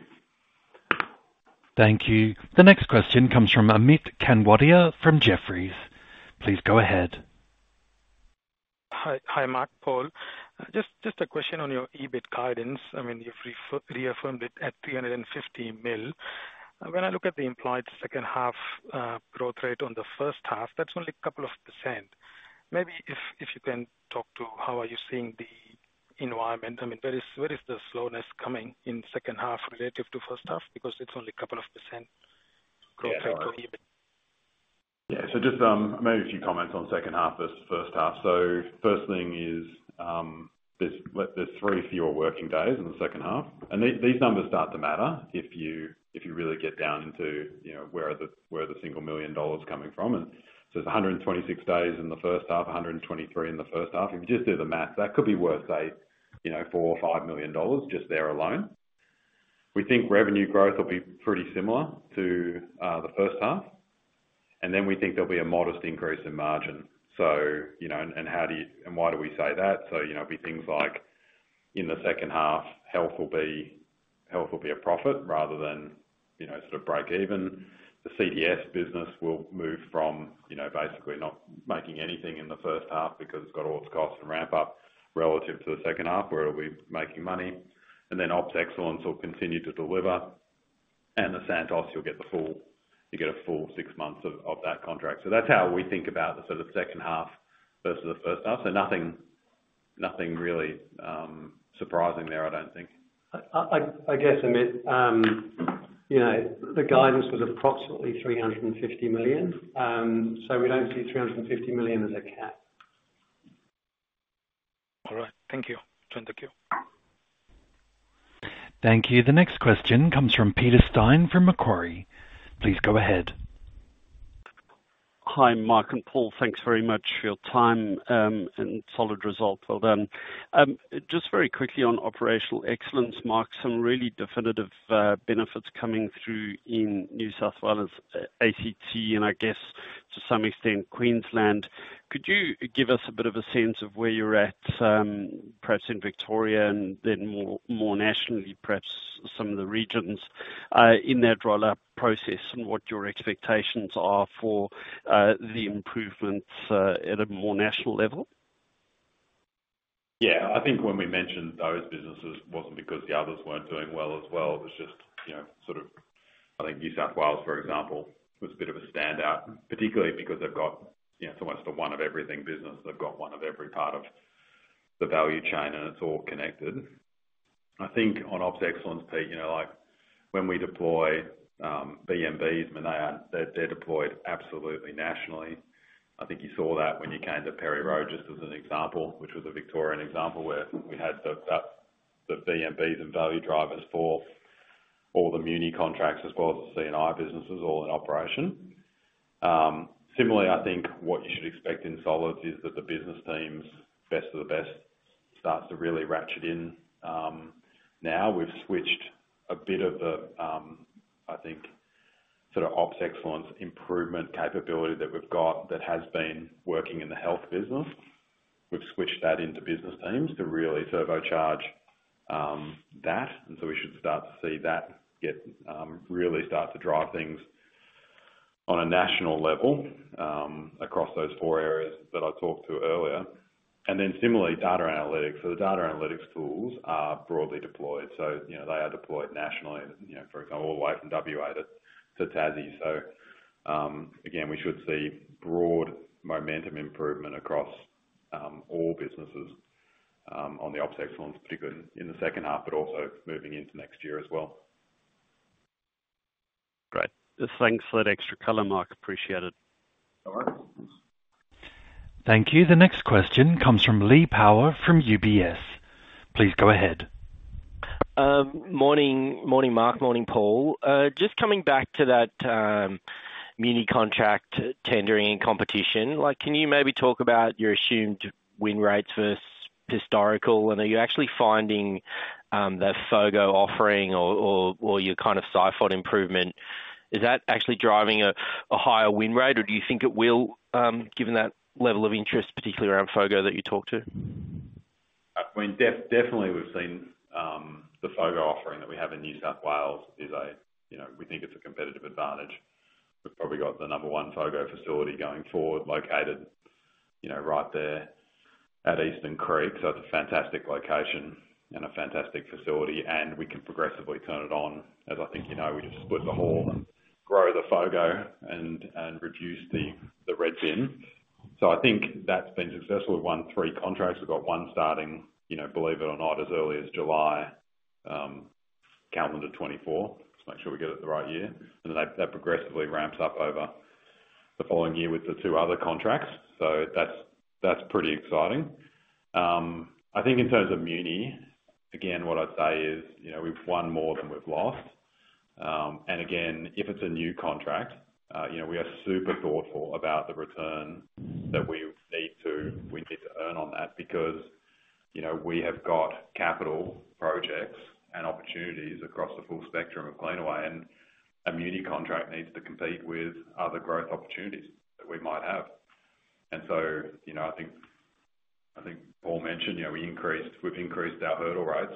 Thank you. The next question comes from Arpeet Kanadia from Jefferies. Please go ahead. Hi, Mark, Paul. Just a question on your EBIT guidance. I mean, you've reaffirmed it at 350 million. When I look at the implied second-half growth rate on the first half, that's only a couple of %. Maybe if you can talk to how are you seeing the environment. I mean, where is the slowness coming in second half relative to first half because it's only a couple of % growth rate for EBIT? Yeah. So just maybe a few comments on second half versus first half. So first thing is, there's 3 fewer working days in the second half. And these numbers start to matter if you really get down into where are the single million dollars coming from. And so it's 126 days in the first half, 123 in the first half. If you just do the math, that could be worth, say, 4 million or 5 million dollars just there alone. We think revenue growth will be pretty similar to the first half. And then we think there'll be a modest increase in margin. And why do we say that? So it'll be things like, in the second half, health will be a profit rather than sort of break even. The CDS business will move from basically not making anything in the first half because it's got all its costs and ramp-up relative to the second half, where it'll be making money. And then ops excellence will continue to deliver. And the Santos, you'll get the full six months of that contract. So that's how we think about the sort of second half versus the first half. So nothing really surprising there, I don't think. I guess, Arpeet, the guidance was approximately 350 million. So we don't see 350 million as a cap. All right. Thank you. Join the queue. Thank you. The next question comes from Peter Steyn from Macquarie. Please go ahead. Hi, Mark and Paul. Thanks very much for your time and solid result. Well done. Just very quickly on operational excellence, Mark, some really definitive benefits coming through in New South Wales ACT and, I guess, to some extent, Queensland. Could you give us a bit of a sense of where you're at, perhaps in Victoria and then more nationally, perhaps some of the regions, in that roll-up process and what your expectations are for the improvements at a more national level? Yeah. I think when we mentioned those businesses, it wasn't because the others weren't doing well as well. It was just sort of I think New South Wales, for example, was a bit of a standout, particularly because they've got it's almost a one-of-everything business. They've got one of every part of the value chain, and it's all connected. I think on ops excellence, Pete, when we deploy VMBs, I mean, they're deployed absolutely nationally. I think you saw that when you came to Perry Road just as an example, which was a Victorian example, where we had the VMBs and value drivers for all the muni contracts as well as the C&I businesses all in operation. Similarly, I think what you should expect in solids is that the business team's best of the best starts to really ratchet in now. We've switched a bit of the, I think, sort of ops excellence improvement capability that we've got that has been working in the health business. We've switched that into business teams to really turbocharge that. So we should start to see that really start to drive things on a national level across those four areas that I talked to earlier. Then similarly, data analytics. So the data analytics tools are broadly deployed. So they are deployed nationally, for example, all the way from WA to Tas. So again, we should see broad momentum improvement across all businesses. On the ops excellence, pretty good in the second half but also moving into next year as well. Great. Thanks for that extra color, Mark. Appreciate it. No worries. Thank you. The next question comes from Lee Power from UBS. Please go ahead. Morning, Mark. Morning, Paul. Just coming back to that muni contract tendering and competition, can you maybe talk about your assumed win rates versus historical? Are you actually finding that FOGO offering or your kind of SIFOT improvement, is that actually driving a higher win rate, or do you think it will, given that level of interest, particularly around FOGO that you talked to? I mean, definitely, we've seen the FOGO offering that we have in New South Wales is a we think it's a competitive advantage. We've probably got the number one FOGO facility going forward located right there at Eastern Creek. So it's a fantastic location and a fantastic facility. And we can progressively turn it on. As I think you know, we just split the hall and grow the FOGO and reduce the red bin. So I think that's been successful. We've won three contracts. We've got one starting, believe it or not, as early as July, calendar 2024. Just make sure we get it the right year. And then that progressively ramps up over the following year with the two other contracts. So that's pretty exciting. I think in terms of muni, again, what I'd say is, we've won more than we've lost. And again, if it's a new contract, we are super thoughtful about the return that we need to earn on that because we have got capital projects and opportunities across the full spectrum of Cleanaway. And a muni contract needs to compete with other growth opportunities that we might have. And so I think Paul mentioned, we've increased our hurdle rates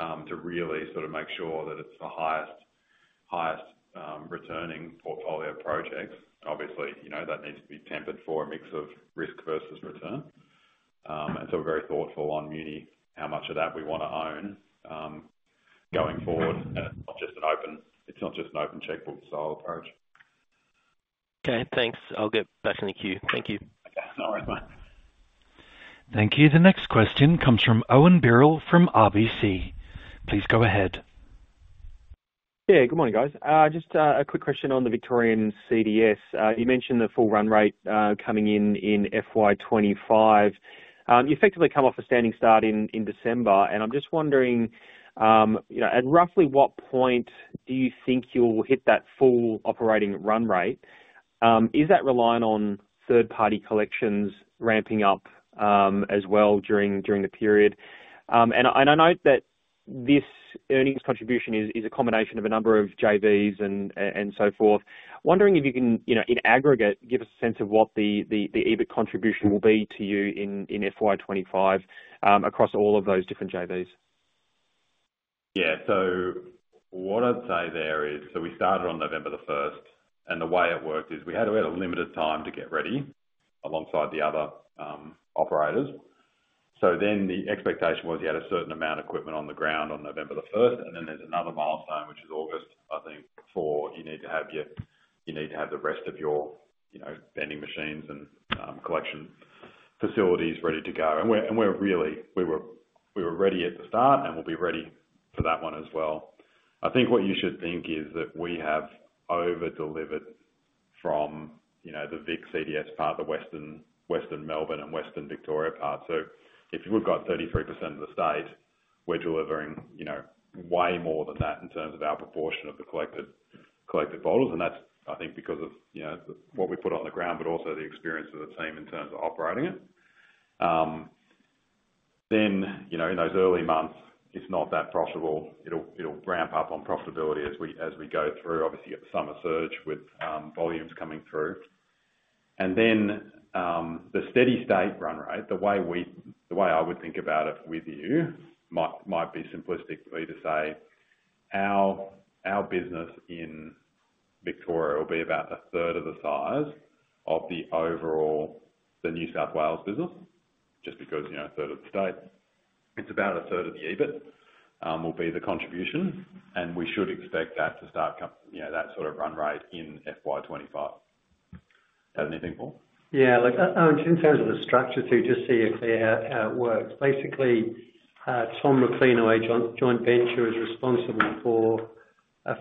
accordingly to really sort of make sure that it's the highest-returning portfolio of projects. Obviously, that needs to be tempered for a mix of risk versus return. And so we're very thoughtful on muni, how much of that we want to own going forward. And it's not just an open checkbook style approach. Okay. Thanks. I'll get back in the queue. Thank you. Okay. No worries, mate. Thank you. The next question comes from Owen Birrell from RBC. Please go ahead. Yeah. Good morning, guys. Just a quick question on the Victorian CDS. You mentioned the full run rate coming in in FY 2025. You effectively come off a standing start in December. And I'm just wondering, at roughly what point do you think you'll hit that full operating run rate? Is that relying on third-party collections ramping up as well during the period? And I note that this earnings contribution is a combination of a number of JVs and so forth. Wondering if you can, in aggregate, give us a sense of what the EBIT contribution will be to you in FY 2025 across all of those different JVs. Yeah. So what I'd say there is so we started on November 1st. And the way it worked is, we had a limited time to get ready alongside the other operators. So then the expectation was you had a certain amount of equipment on the ground on November 1st. And then there's another milestone, which is August, I think, for you need to have your you need to have the rest of your vending machines and collection facilities ready to go. And we were ready at the start and we'll be ready for that one as well. I think what you should think is that we have overdelivered from the Vic CDS part, the Western Melbourne and Western Victoria part. So if we've got 33% of the state, we're delivering way more than that in terms of our proportion of the collected bottles. And that's, I think, because of what we put on the ground but also the experience of the team in terms of operating it. Then in those early months, it's not that profitable. It'll ramp up on profitability as we go through, obviously, at the summer surge with volumes coming through. And then the steady state run rate, the way I would think about it with you might be simplistically to say, "Our business in Victoria will be about a third of the size of the overall the New South Wales business," just because a third of the state, it's about a third of the EBIT, will be the contribution. And we should expect that to start that sort of run rate in FY 2025. Does anything, Paul? Yeah. Oh, and just in terms of the structure too, just so you're clear how it works. Basically, TOMRA Cleanaway, joint venture, is responsible for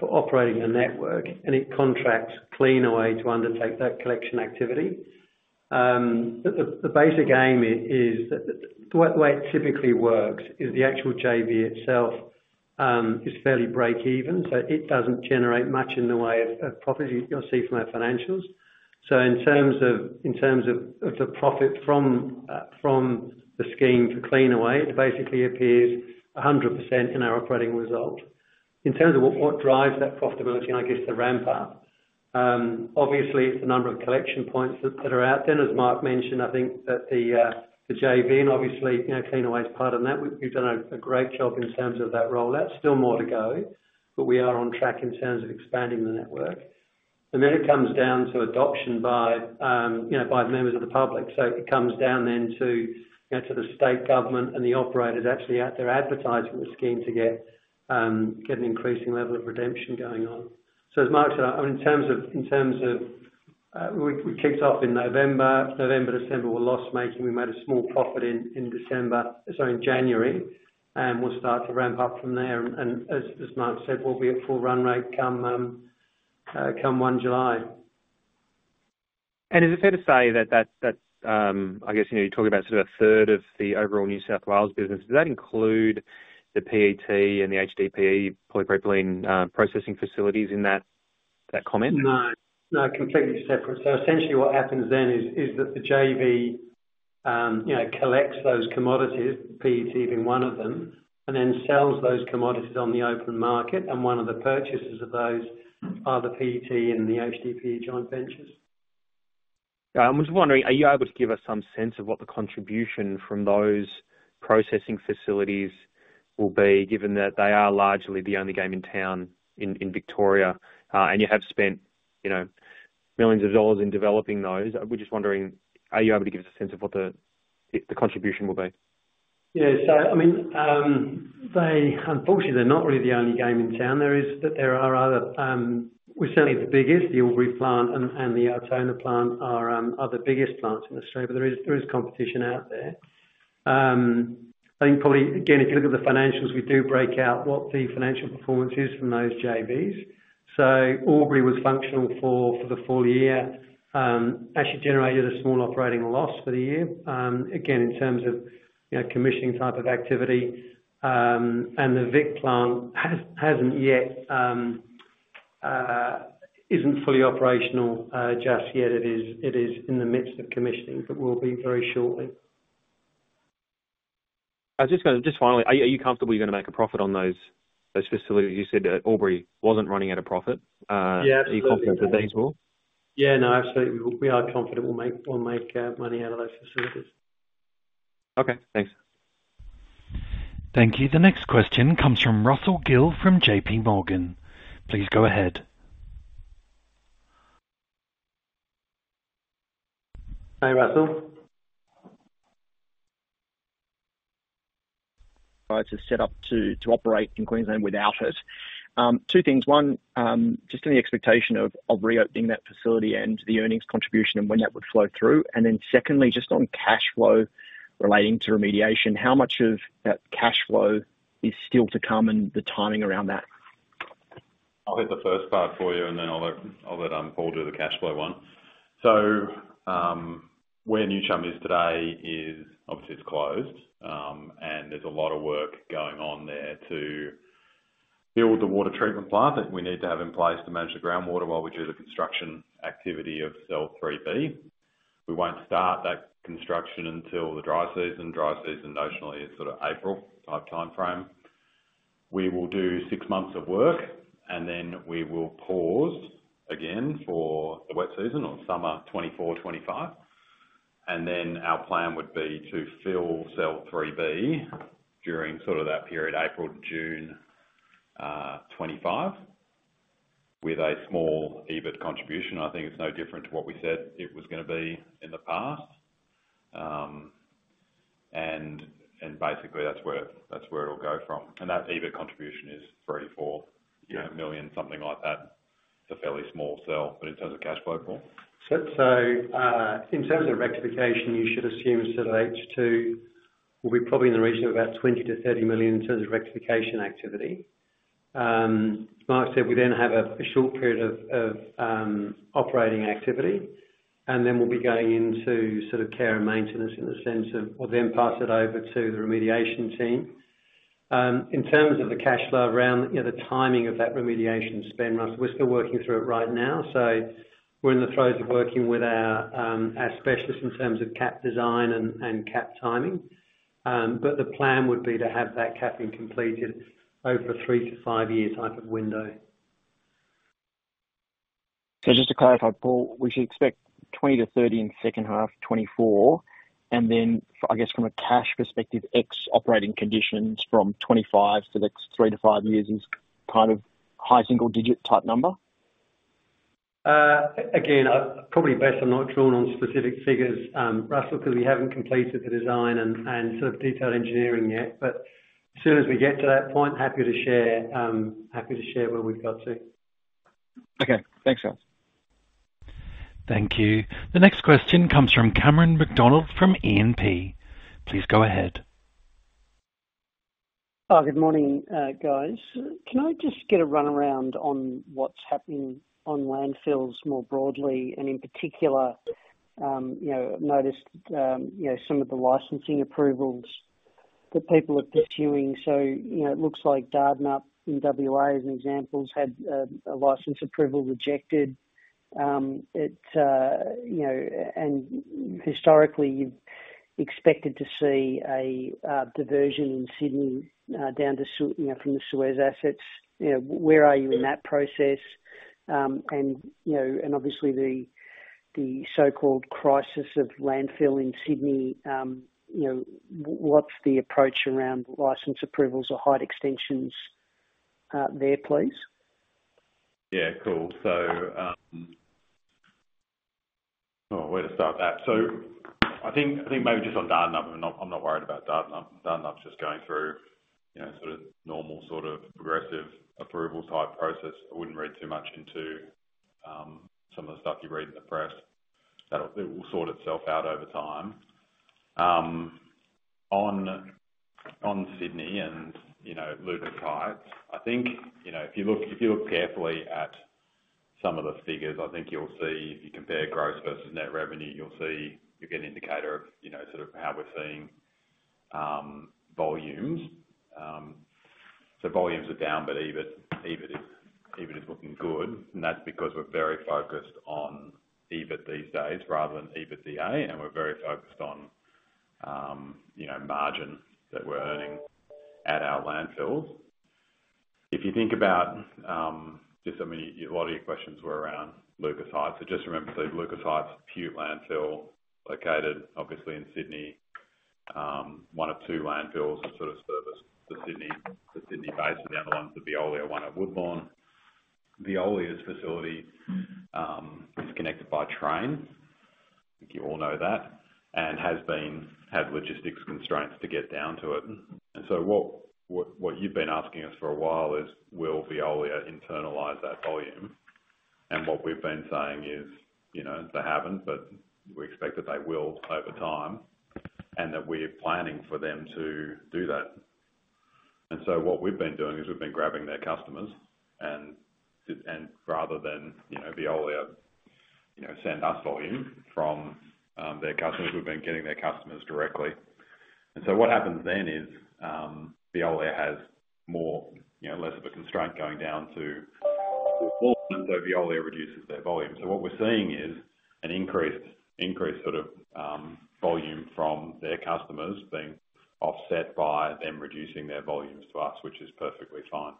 operating the network. And it contracts Cleanaway to undertake that collection activity. The basic aim is that the way it typically works is the actual JV itself is fairly break even. So it doesn't generate much in the way of profits you'll see from our financials. So in terms of the profit from the scheme for Cleanaway, it basically appears 100% in our operating result. In terms of what drives that profitability and, I guess, the ramp-up, obviously, it's the number of collection points that are out. Then, as Mark mentioned, I think that the JV and obviously, Cleanaway is part of that. We've done a great job in terms of that rollout. Still more to go, but we are on track in terms of expanding the network. Then it comes down to adoption by members of the public. So it comes down then to the state government and the operators actually out there advertising the scheme to get an increasing level of redemption going on. So as Mark said, I mean, in terms of we kicked off in November. November, December were loss-making. We made a small profit in December, sorry, in January. And we'll start to ramp up from there. And as Mark said, we'll be at full run rate come 1 July. And is it fair to say that that's I guess you're talking about sort of a third of the overall New South Wales business. Does that include the PET and the HDPE, polypropylene processing facilities in that comment? No. No. Completely separate. So essentially, what happens then is that the JV collects those commodities, PET being one of them, and then sells those commodities on the open market. And one of the purchasers of those are the PET and the HDPE joint ventures. I'm just wondering, are you able to give us some sense of what the contribution from those processing facilities will be, given that they are largely the only game in town in Victoria and you have spent millions dollars in developing those? We're just wondering, are you able to give us a sense of what the contribution will be? Yeah. So I mean, unfortunately, they're not really the only game in town. There are other we certainly the biggest, the Albury plant and the Altona plant, are other biggest plants in Australia. But there is competition out there. I think probably, again, if you look at the financials, we do break out what the financial performance is from those JVs. So Albury was functional for the full year, actually generated a small operating loss for the year, again, in terms of commissioning type of activity. And the Vic plant isn't fully operational just yet. It is in the midst of commissioning but will be very shortly. Just finally, are you comfortable you're going to make a profit on those facilities? You said Albury wasn't running at a profit. Are you confident that these will? Yeah. No. Absolutely. We are confident we'll make money out of those facilities. Okay. Thanks. Thank you. The next question comes from Russell Gill from JPMorgan. Please go ahead. Hi, Russell. To set up to operate in Queensland without it. Two things. One, just in the expectation of reopening that facility and the earnings contribution and when that would flow through. And then secondly, just on cash flow relating to remediation, how much of that cash flow is still to come and the timing around that? I'll hit the first part for you, and then I'll let Paul do the cash flow one. So where New Chum is today is obviously, it's closed. And there's a lot of work going on there to build the water treatment plant that we need to have in place to manage the groundwater while we do the construction activity of cell 3B. We won't start that construction until the dry season. Dry season nationally is sort of April-type timeframe. We will do six months of work, and then we will pause again for the wet season or summer 2024, 2025. And then our plan would be to fill cell 3B during sort of that period, April to June 2025, with a small EBIT contribution. I think it's no different to what we said it was going to be in the past. And basically, that's where it'll go from. And that EBIT contribution is 34 million something like that. It's a fairly small cell. But in terms of cash flow, Paul? So in terms of rectification, you should assume a cell H2 will be probably in the region of about 20 million-30 million in terms of rectification activity. As Mark said, we then have a short period of operating activity. And then we'll be going into sort of care and maintenance in the sense of we'll then pass it over to the remediation team. In terms of the cash flow around the timing of that remediation spend, Russell, we're still working through it right now. So we're in the throes of working with our specialist in terms of cap design and cap timing. But the plan would be to have that capping completed over a 3-5-year type of window. So just to clarify, Paul, we should expect 20 million- 30 million in second half 2024. And then, I guess, from a cash perspective, capex operating conditions from 2025 for the next 3-5 years is kind of high single-digit type number? Again, probably best I'm not drawn on specific figures, Russell, because we haven't completed the design and sort of detailed engineering yet. But as soon as we get to that point, happy to share where we've got to. Okay. Thanks, guys. Thank you. The next question comes from Cameron McDonald from E&P. Please go ahead. Oh, good morning, guys. Can I just get a rundown on what's happening on landfills more broadly? And in particular, I've noticed some of the licensing approvals that people are pursuing. So it looks like Dardanup in WA as an example's had a license approval rejected. And historically, you've expected to see a diversion in Sydney down from the Suez assets. Where are you in that process? And obviously, the so-called crisis of landfill in Sydney, what's the approach around license approvals or height extensions there, please? Yeah. Cool. Oh, where to start that? So I think maybe just on Dardanup. I'm not worried about Dardanup. Dardanup's just going through sort of normal sort of progressive approval type process. I wouldn't read too much into some of the stuff you read in the press. It will sort itself out over time. On Sydney and Lucas Heights, I think if you look carefully at some of the figures, I think you'll see if you compare gross versus net revenue, you'll see you get an indicator of sort of how we're seeing volumes. So volumes are down, but EBIT is looking good. And that's because we're very focused on EBIT these days rather than EBITDA. And we're very focused on margin that we're earning at our landfills. If you think about just I mean, a lot of your questions were around Lucas Heights. So just remember, so Lucas Heights landfill located, obviously, in Sydney, one of two landfills that sort of service the Sydney basin. And the other one's the Veolia one at Woodlawn. Veolia's facility is connected by train. I think you all know that and has logistics constraints to get down to it. And so what you've been asking us for a while is, will Veolia internalize that volume? And what we've been saying is they haven't, but we expect that they will over time and that we're planning for them to do that. And so what we've been doing is we've been grabbing their customers. And rather than Veolia send us volume from their customers, we've been getting their customers directly. And so what happens then is Veolia has less of a constraint going down to Woodlawn. And so Veolia reduces their volume. So what we're seeing is an increased sort of volume from their customers being offset by them reducing their volumes to us, which is perfectly fine.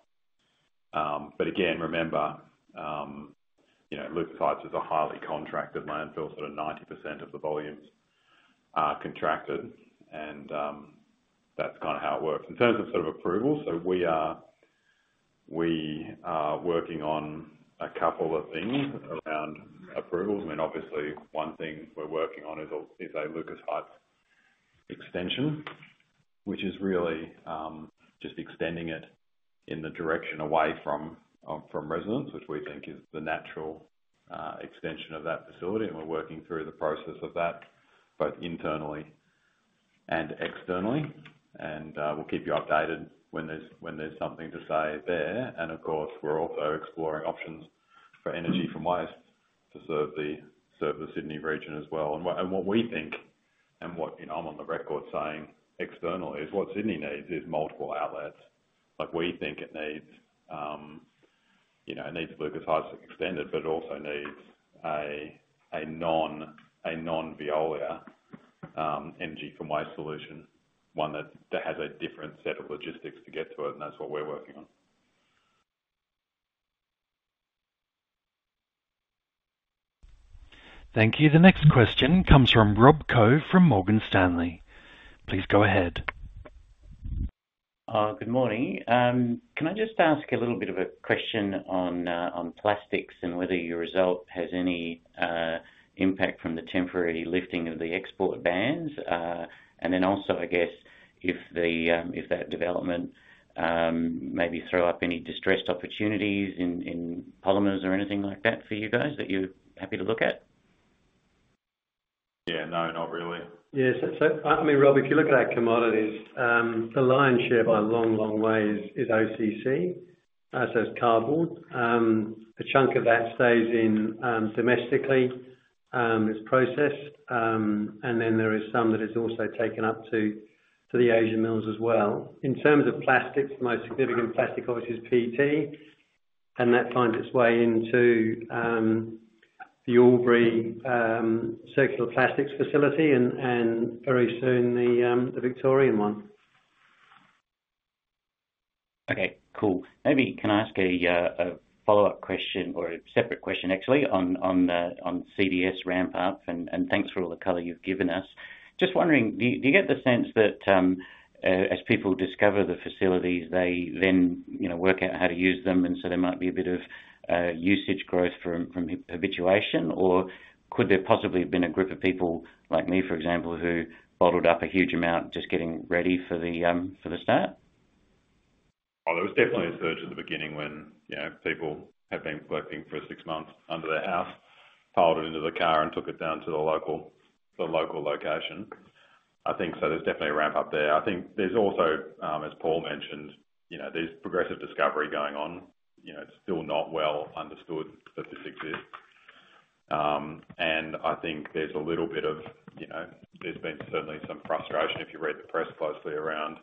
But again, remember, Lucas Heights is a highly contracted landfill. So about 90% of the volumes are contracted. And that's kind of how it works. In terms of sort of approvals, so we are working on a couple of things around approvals. I mean, obviously, one thing we're working on is a Lucas Heights extension, which is really just extending it in the direction away from residents, which we think is the natural extension of that facility. We're working through the process of that both internally and externally. We'll keep you updated when there's something to say there. Of course, we're also exploring options for energy from waste to serve the Sydney region as well. What we think and what I'm on the record saying externally is what Sydney needs is multiple outlets. We think it needs Lucas Heights extended, but it also needs a non-Veolia energy from waste solution, one that has a different set of logistics to get to it. That's what we're working on. Thank you. The next question comes from Rob Coe from Morgan Stanley. Please go ahead. Good morning. Can I just ask a little bit of a question on plastics and whether your result has any impact from the temporary lifting of the export bans? And then also, I guess, if that development maybe throw up any distressed opportunities in polymers or anything like that for you guys that you're happy to look at? Yeah. No. Not really. Yeah. So I mean, Rob, if you look at our commodities, the lion's share by a long, long way is OCC. So it's cardboard. A chunk of that stays in domestically. It's processed. And then there is some that is also taken up to the Asian mills as well. In terms of plastics, the most significant plastic, obviously, is PET. That finds its way into the Albury Circular Plastics facility and very soon the Victorian one. Okay. Cool. Maybe can I ask a follow-up question or a separate question, actually, on CDS ramp-up? Thanks for all the color you've given us. Just wondering, do you get the sense that as people discover the facilities, they then work out how to use them? So there might be a bit of usage growth from habituation? Or could there possibly have been a group of people like me, for example, who bottled up a huge amount just getting ready for the start? Oh, there was definitely a surge at the beginning when people had been sleeping for six months under their house, piled it into the car, and took it down to the local location. I think so. There's definitely a ramp-up there. I think there's also, as Paul mentioned, there's progressive discovery going on. It's still not well understood that this exists. I think there's a little bit of there's been certainly some frustration if you read the press closely around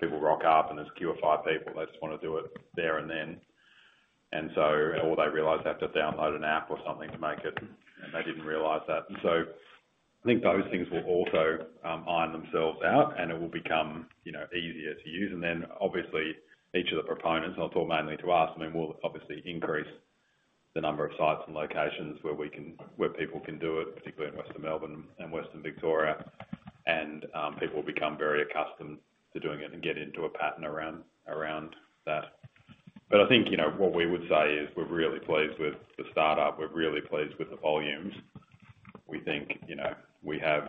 people rock up, and there's queue of five people. They just want to do it there and then. All they realize they have to download an app or something to make it and they didn't realize that. I think those things will also iron themselves out, and it will become easier to use. Then obviously, each of the proponents and I'll talk mainly to us. I mean, we'll obviously increase the number of sites and locations where people can do it, particularly in Western Melbourne and Western Victoria. People will become very accustomed to doing it and get into a pattern around that. I think what we would say is we're really pleased with the startup. We're really pleased with the volumes. We think we have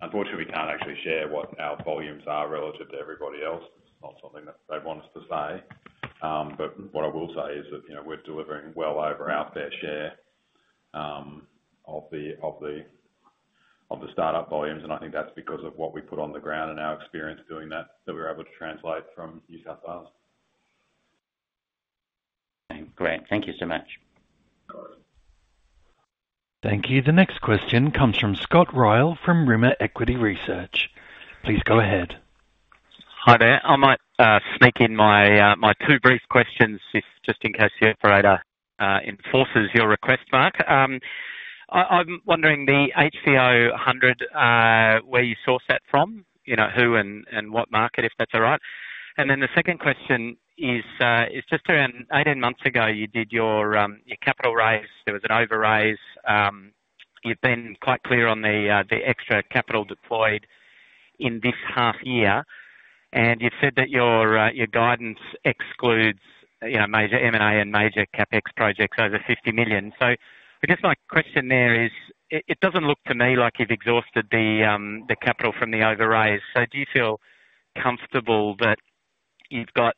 unfortunately, we can't actually share what our volumes are relative to everybody else. It's not something that they'd want us to say. What I will say is that we're delivering well over our fair share of the startup volumes. I think that's because of what we put on the ground and our experience doing that that we were able to translate from New South Wales. Great. Thank you so much. Thank you. The next question comes from Scott Ryall from Rimor Equity Research. Please go ahead. Hi there. I might sneak in my two brief questions just in case the operator enforces your request, Mark. I'm wondering, the HVO 100, where you source that from? Who and what market, if that's all right? Then the second question is just around 18 months ago, you did your capital raise. There was an overraise. You've been quite clear on the extra capital deployed in this half year. And you've said that your guidance excludes major M&A and major CapEx projects over 50 million. So I guess my question there is it doesn't look to me like you've exhausted the capital from the overraise. So do you feel comfortable that you've got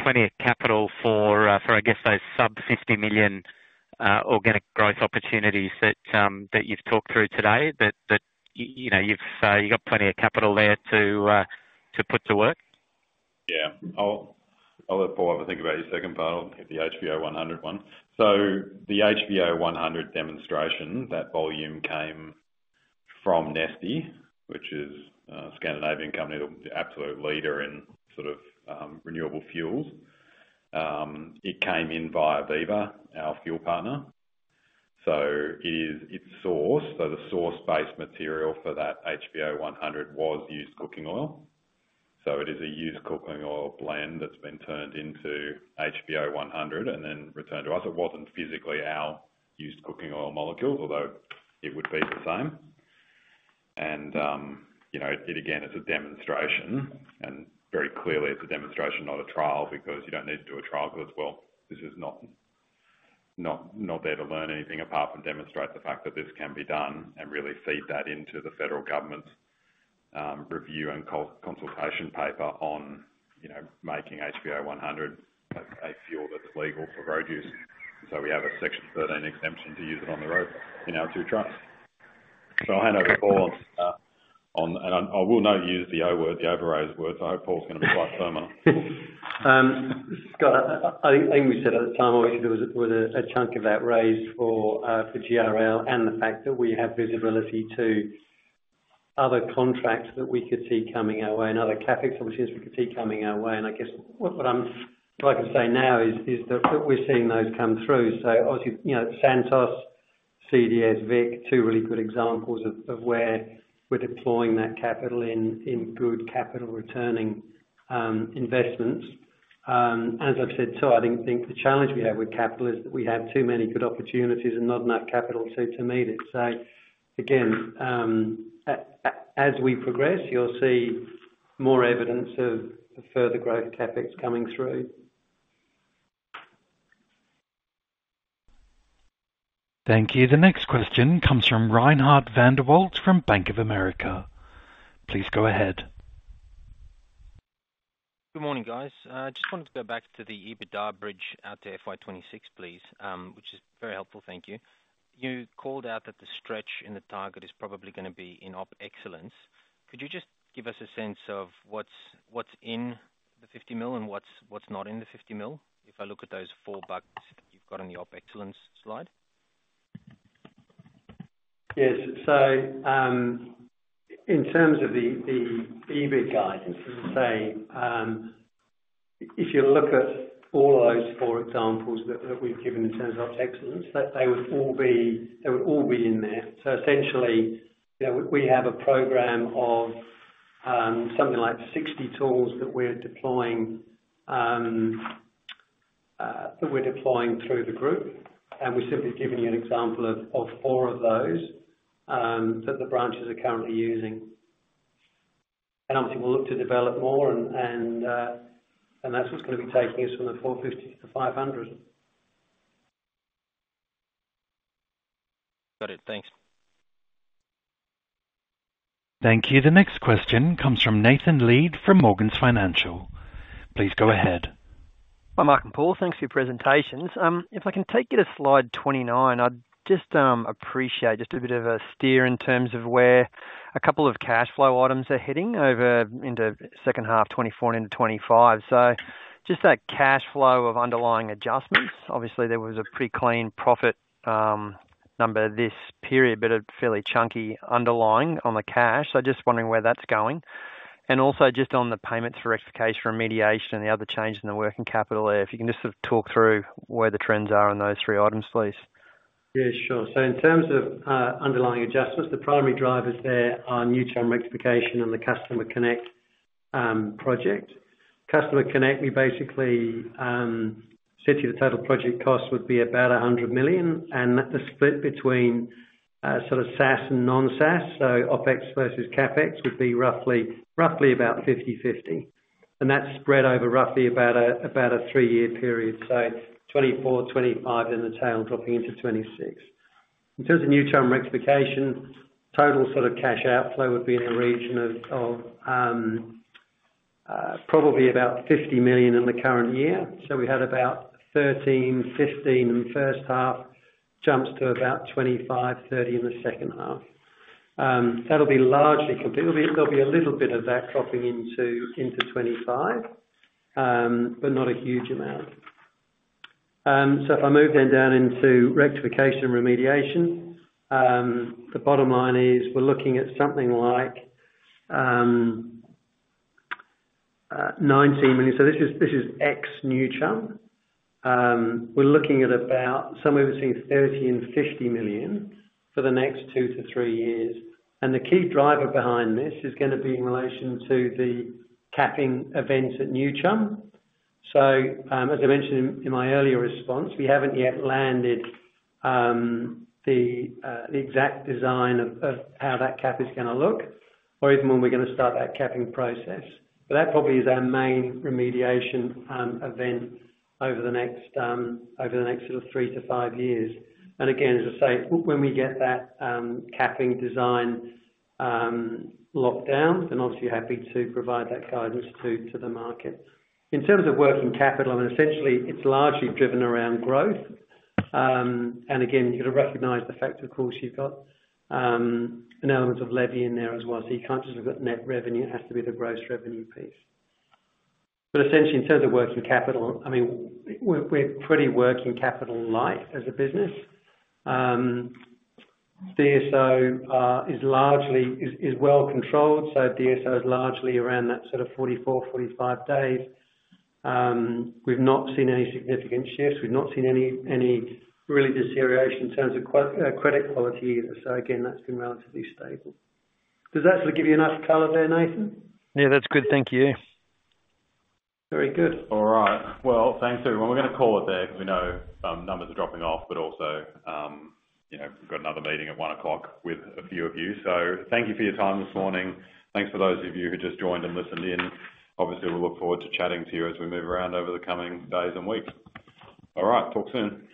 plenty of capital for, I guess, those sub-AUD 50 million organic growth opportunities that you've talked through today? That you've got plenty of capital there to put to work? Yeah. I'll let Paul have a think about your second part. I'll hit the HVO 100 one. So the HVO 100 demonstration, that volume came from Neste, which is a Scandinavian company, the absolute leader in sort of renewable fuels. It came in via Viva, our fuel partner. So it's sourced. So the source-based material for that HVO 100 was used cooking oil. So it is a used cooking oil blend that's been turned into HVO 100 and then returned to us. It wasn't physically our used cooking oil molecules, although it would be the same. And again, it's a demonstration. And very clearly, it's a demonstration, not a trial because you don't need to do a trial because, well, this is not there to learn anything apart from demonstrate the fact that this can be done and really feed that into the federal government's review and consultation paper on making HVO 100 a fuel that's legal for road use. And so we have a Section 13 exemption to use it on the road in our 2 trucks. So I'll hand over to Paul now and I will not use the overraise words. I hope Paul's going to be quite firmer. Scott, I think we said at the time what we could do was a chunk of that raise for GRL and the fact that we have visibility to other contracts that we could see coming our way and other CapEx opportunities we could see coming our way. And I guess what I can say now is that we're seeing those come through. So obviously, Santos, CDS, vic, two really good examples of where we're deploying that capital in good capital-returning investments. As I've said too, I think the challenge we have with capital is that we have too many good opportunities and not enough capital to meet it. So again, as we progress, you'll see more evidence of further growth CapEx coming through. Thank you. The next question comes from Reinhardt van der Walt from Bank of America. Please go ahead. Good morning, guys. I just wanted to go back to the EBITDA bridge out to FY26, please, which is very helpful. Thank you. You called out that the stretch in the target is probably going to be in op excellence. Could you just give us a sense of what's in the 50 million and what's not in the 50 million if I look at those 4 million bucks that you've got on the op excellence slide? Yes. So in terms of the EBIT guidance, as I say, if you look at all of those four examples that we've given in terms of op excellence, they would all be in there. So essentially, we have a program of something like 60 tools that we're deploying through the group. We've simply given you an example of 4 of those that the branches are currently using. Obviously, we'll look to develop more. That's what's going to be taking us from the 450 to the 500. Got it. Thanks. Thank you. The next question comes from Nathan Lead from Morgans Financial. Please go ahead. Hi, Mark and Paul. Thanks for your presentations. If I can take you to slide 29, I'd just appreciate just a bit of a steer in terms of where a couple of cash flow items are heading into second half 2024 and into 2025. So just that cash flow of underlying adjustments. Obviously, there was a pretty clean profit number this period, but a fairly chunky underlying on the cash. So just wondering where that's going. And also just on the payments for rectification, remediation, and the other changes in the working capital there, if you can just sort of talk through where the trends are on those three items, please. Yeah. Sure. So in terms of underlying adjustments, the primary drivers there are new term rectification and the Customer Connect project. Customer Connect, we basically said to you the total project cost would be about 100 million. And the split between sort of SaaS and non-SaaS, so OpEx versus CapEx, would be roughly about 50/50. And that's spread over roughly about a three-year period, so 2024, 2025, then the tail dropping into 2026. In terms of new term rectification, total sort of cash outflow would be in the region of probably about 50 million in the current year. So we had about 13-15 in the first half, jumps to about 25-30 in the second half. That'll be largely complete. There'll be a little bit of that dropping into 2025, but not a huge amount. So if I move then down into rectification and remediation, the bottom line is we're looking at something like 19 million. So this is ex-New Chum. We're looking at about somewhere between 30 million and 50 million for the next 2-3 years. And the key driver behind this is going to be in relation to the capping events at New Chum. So as I mentioned in my earlier response, we haven't yet landed the exact design of how that cap is going to look or even when we're going to start that capping process. But that probably is our main remediation event over the next sort of 3-5 years. Again, as I say, when we get that capping design locked down, then obviously, we're happy to provide that guidance to the market. In terms of working capital, I mean, essentially, it's largely driven around growth. Again, you've got to recognize the fact, of course, you've got an element of levy in there as well. So you can't just look at net revenue. It has to be the gross revenue piece. But essentially, in terms of working capital, I mean, we're pretty working capital light as a business. DSO is well controlled. So DSO is largely around that sort of 44-45 days. We've not seen any significant shifts. We've not seen any really deterioration in terms of credit quality either. So again, that's been relatively stable. Does that sort of give you enough color there, Nathan? Yeah. That's good. Thank you. Very good. All right. Well, thanks, everyone. We're going to call it there because we know numbers are dropping off. But also, we've got another meeting at 1:00 P.M. with a few of you. So thank you for your time this morning. Thanks for those of you who just joined and listened in. Obviously, we'll look forward to chatting to you as we move around over the coming days and weeks. All right. Talk soon.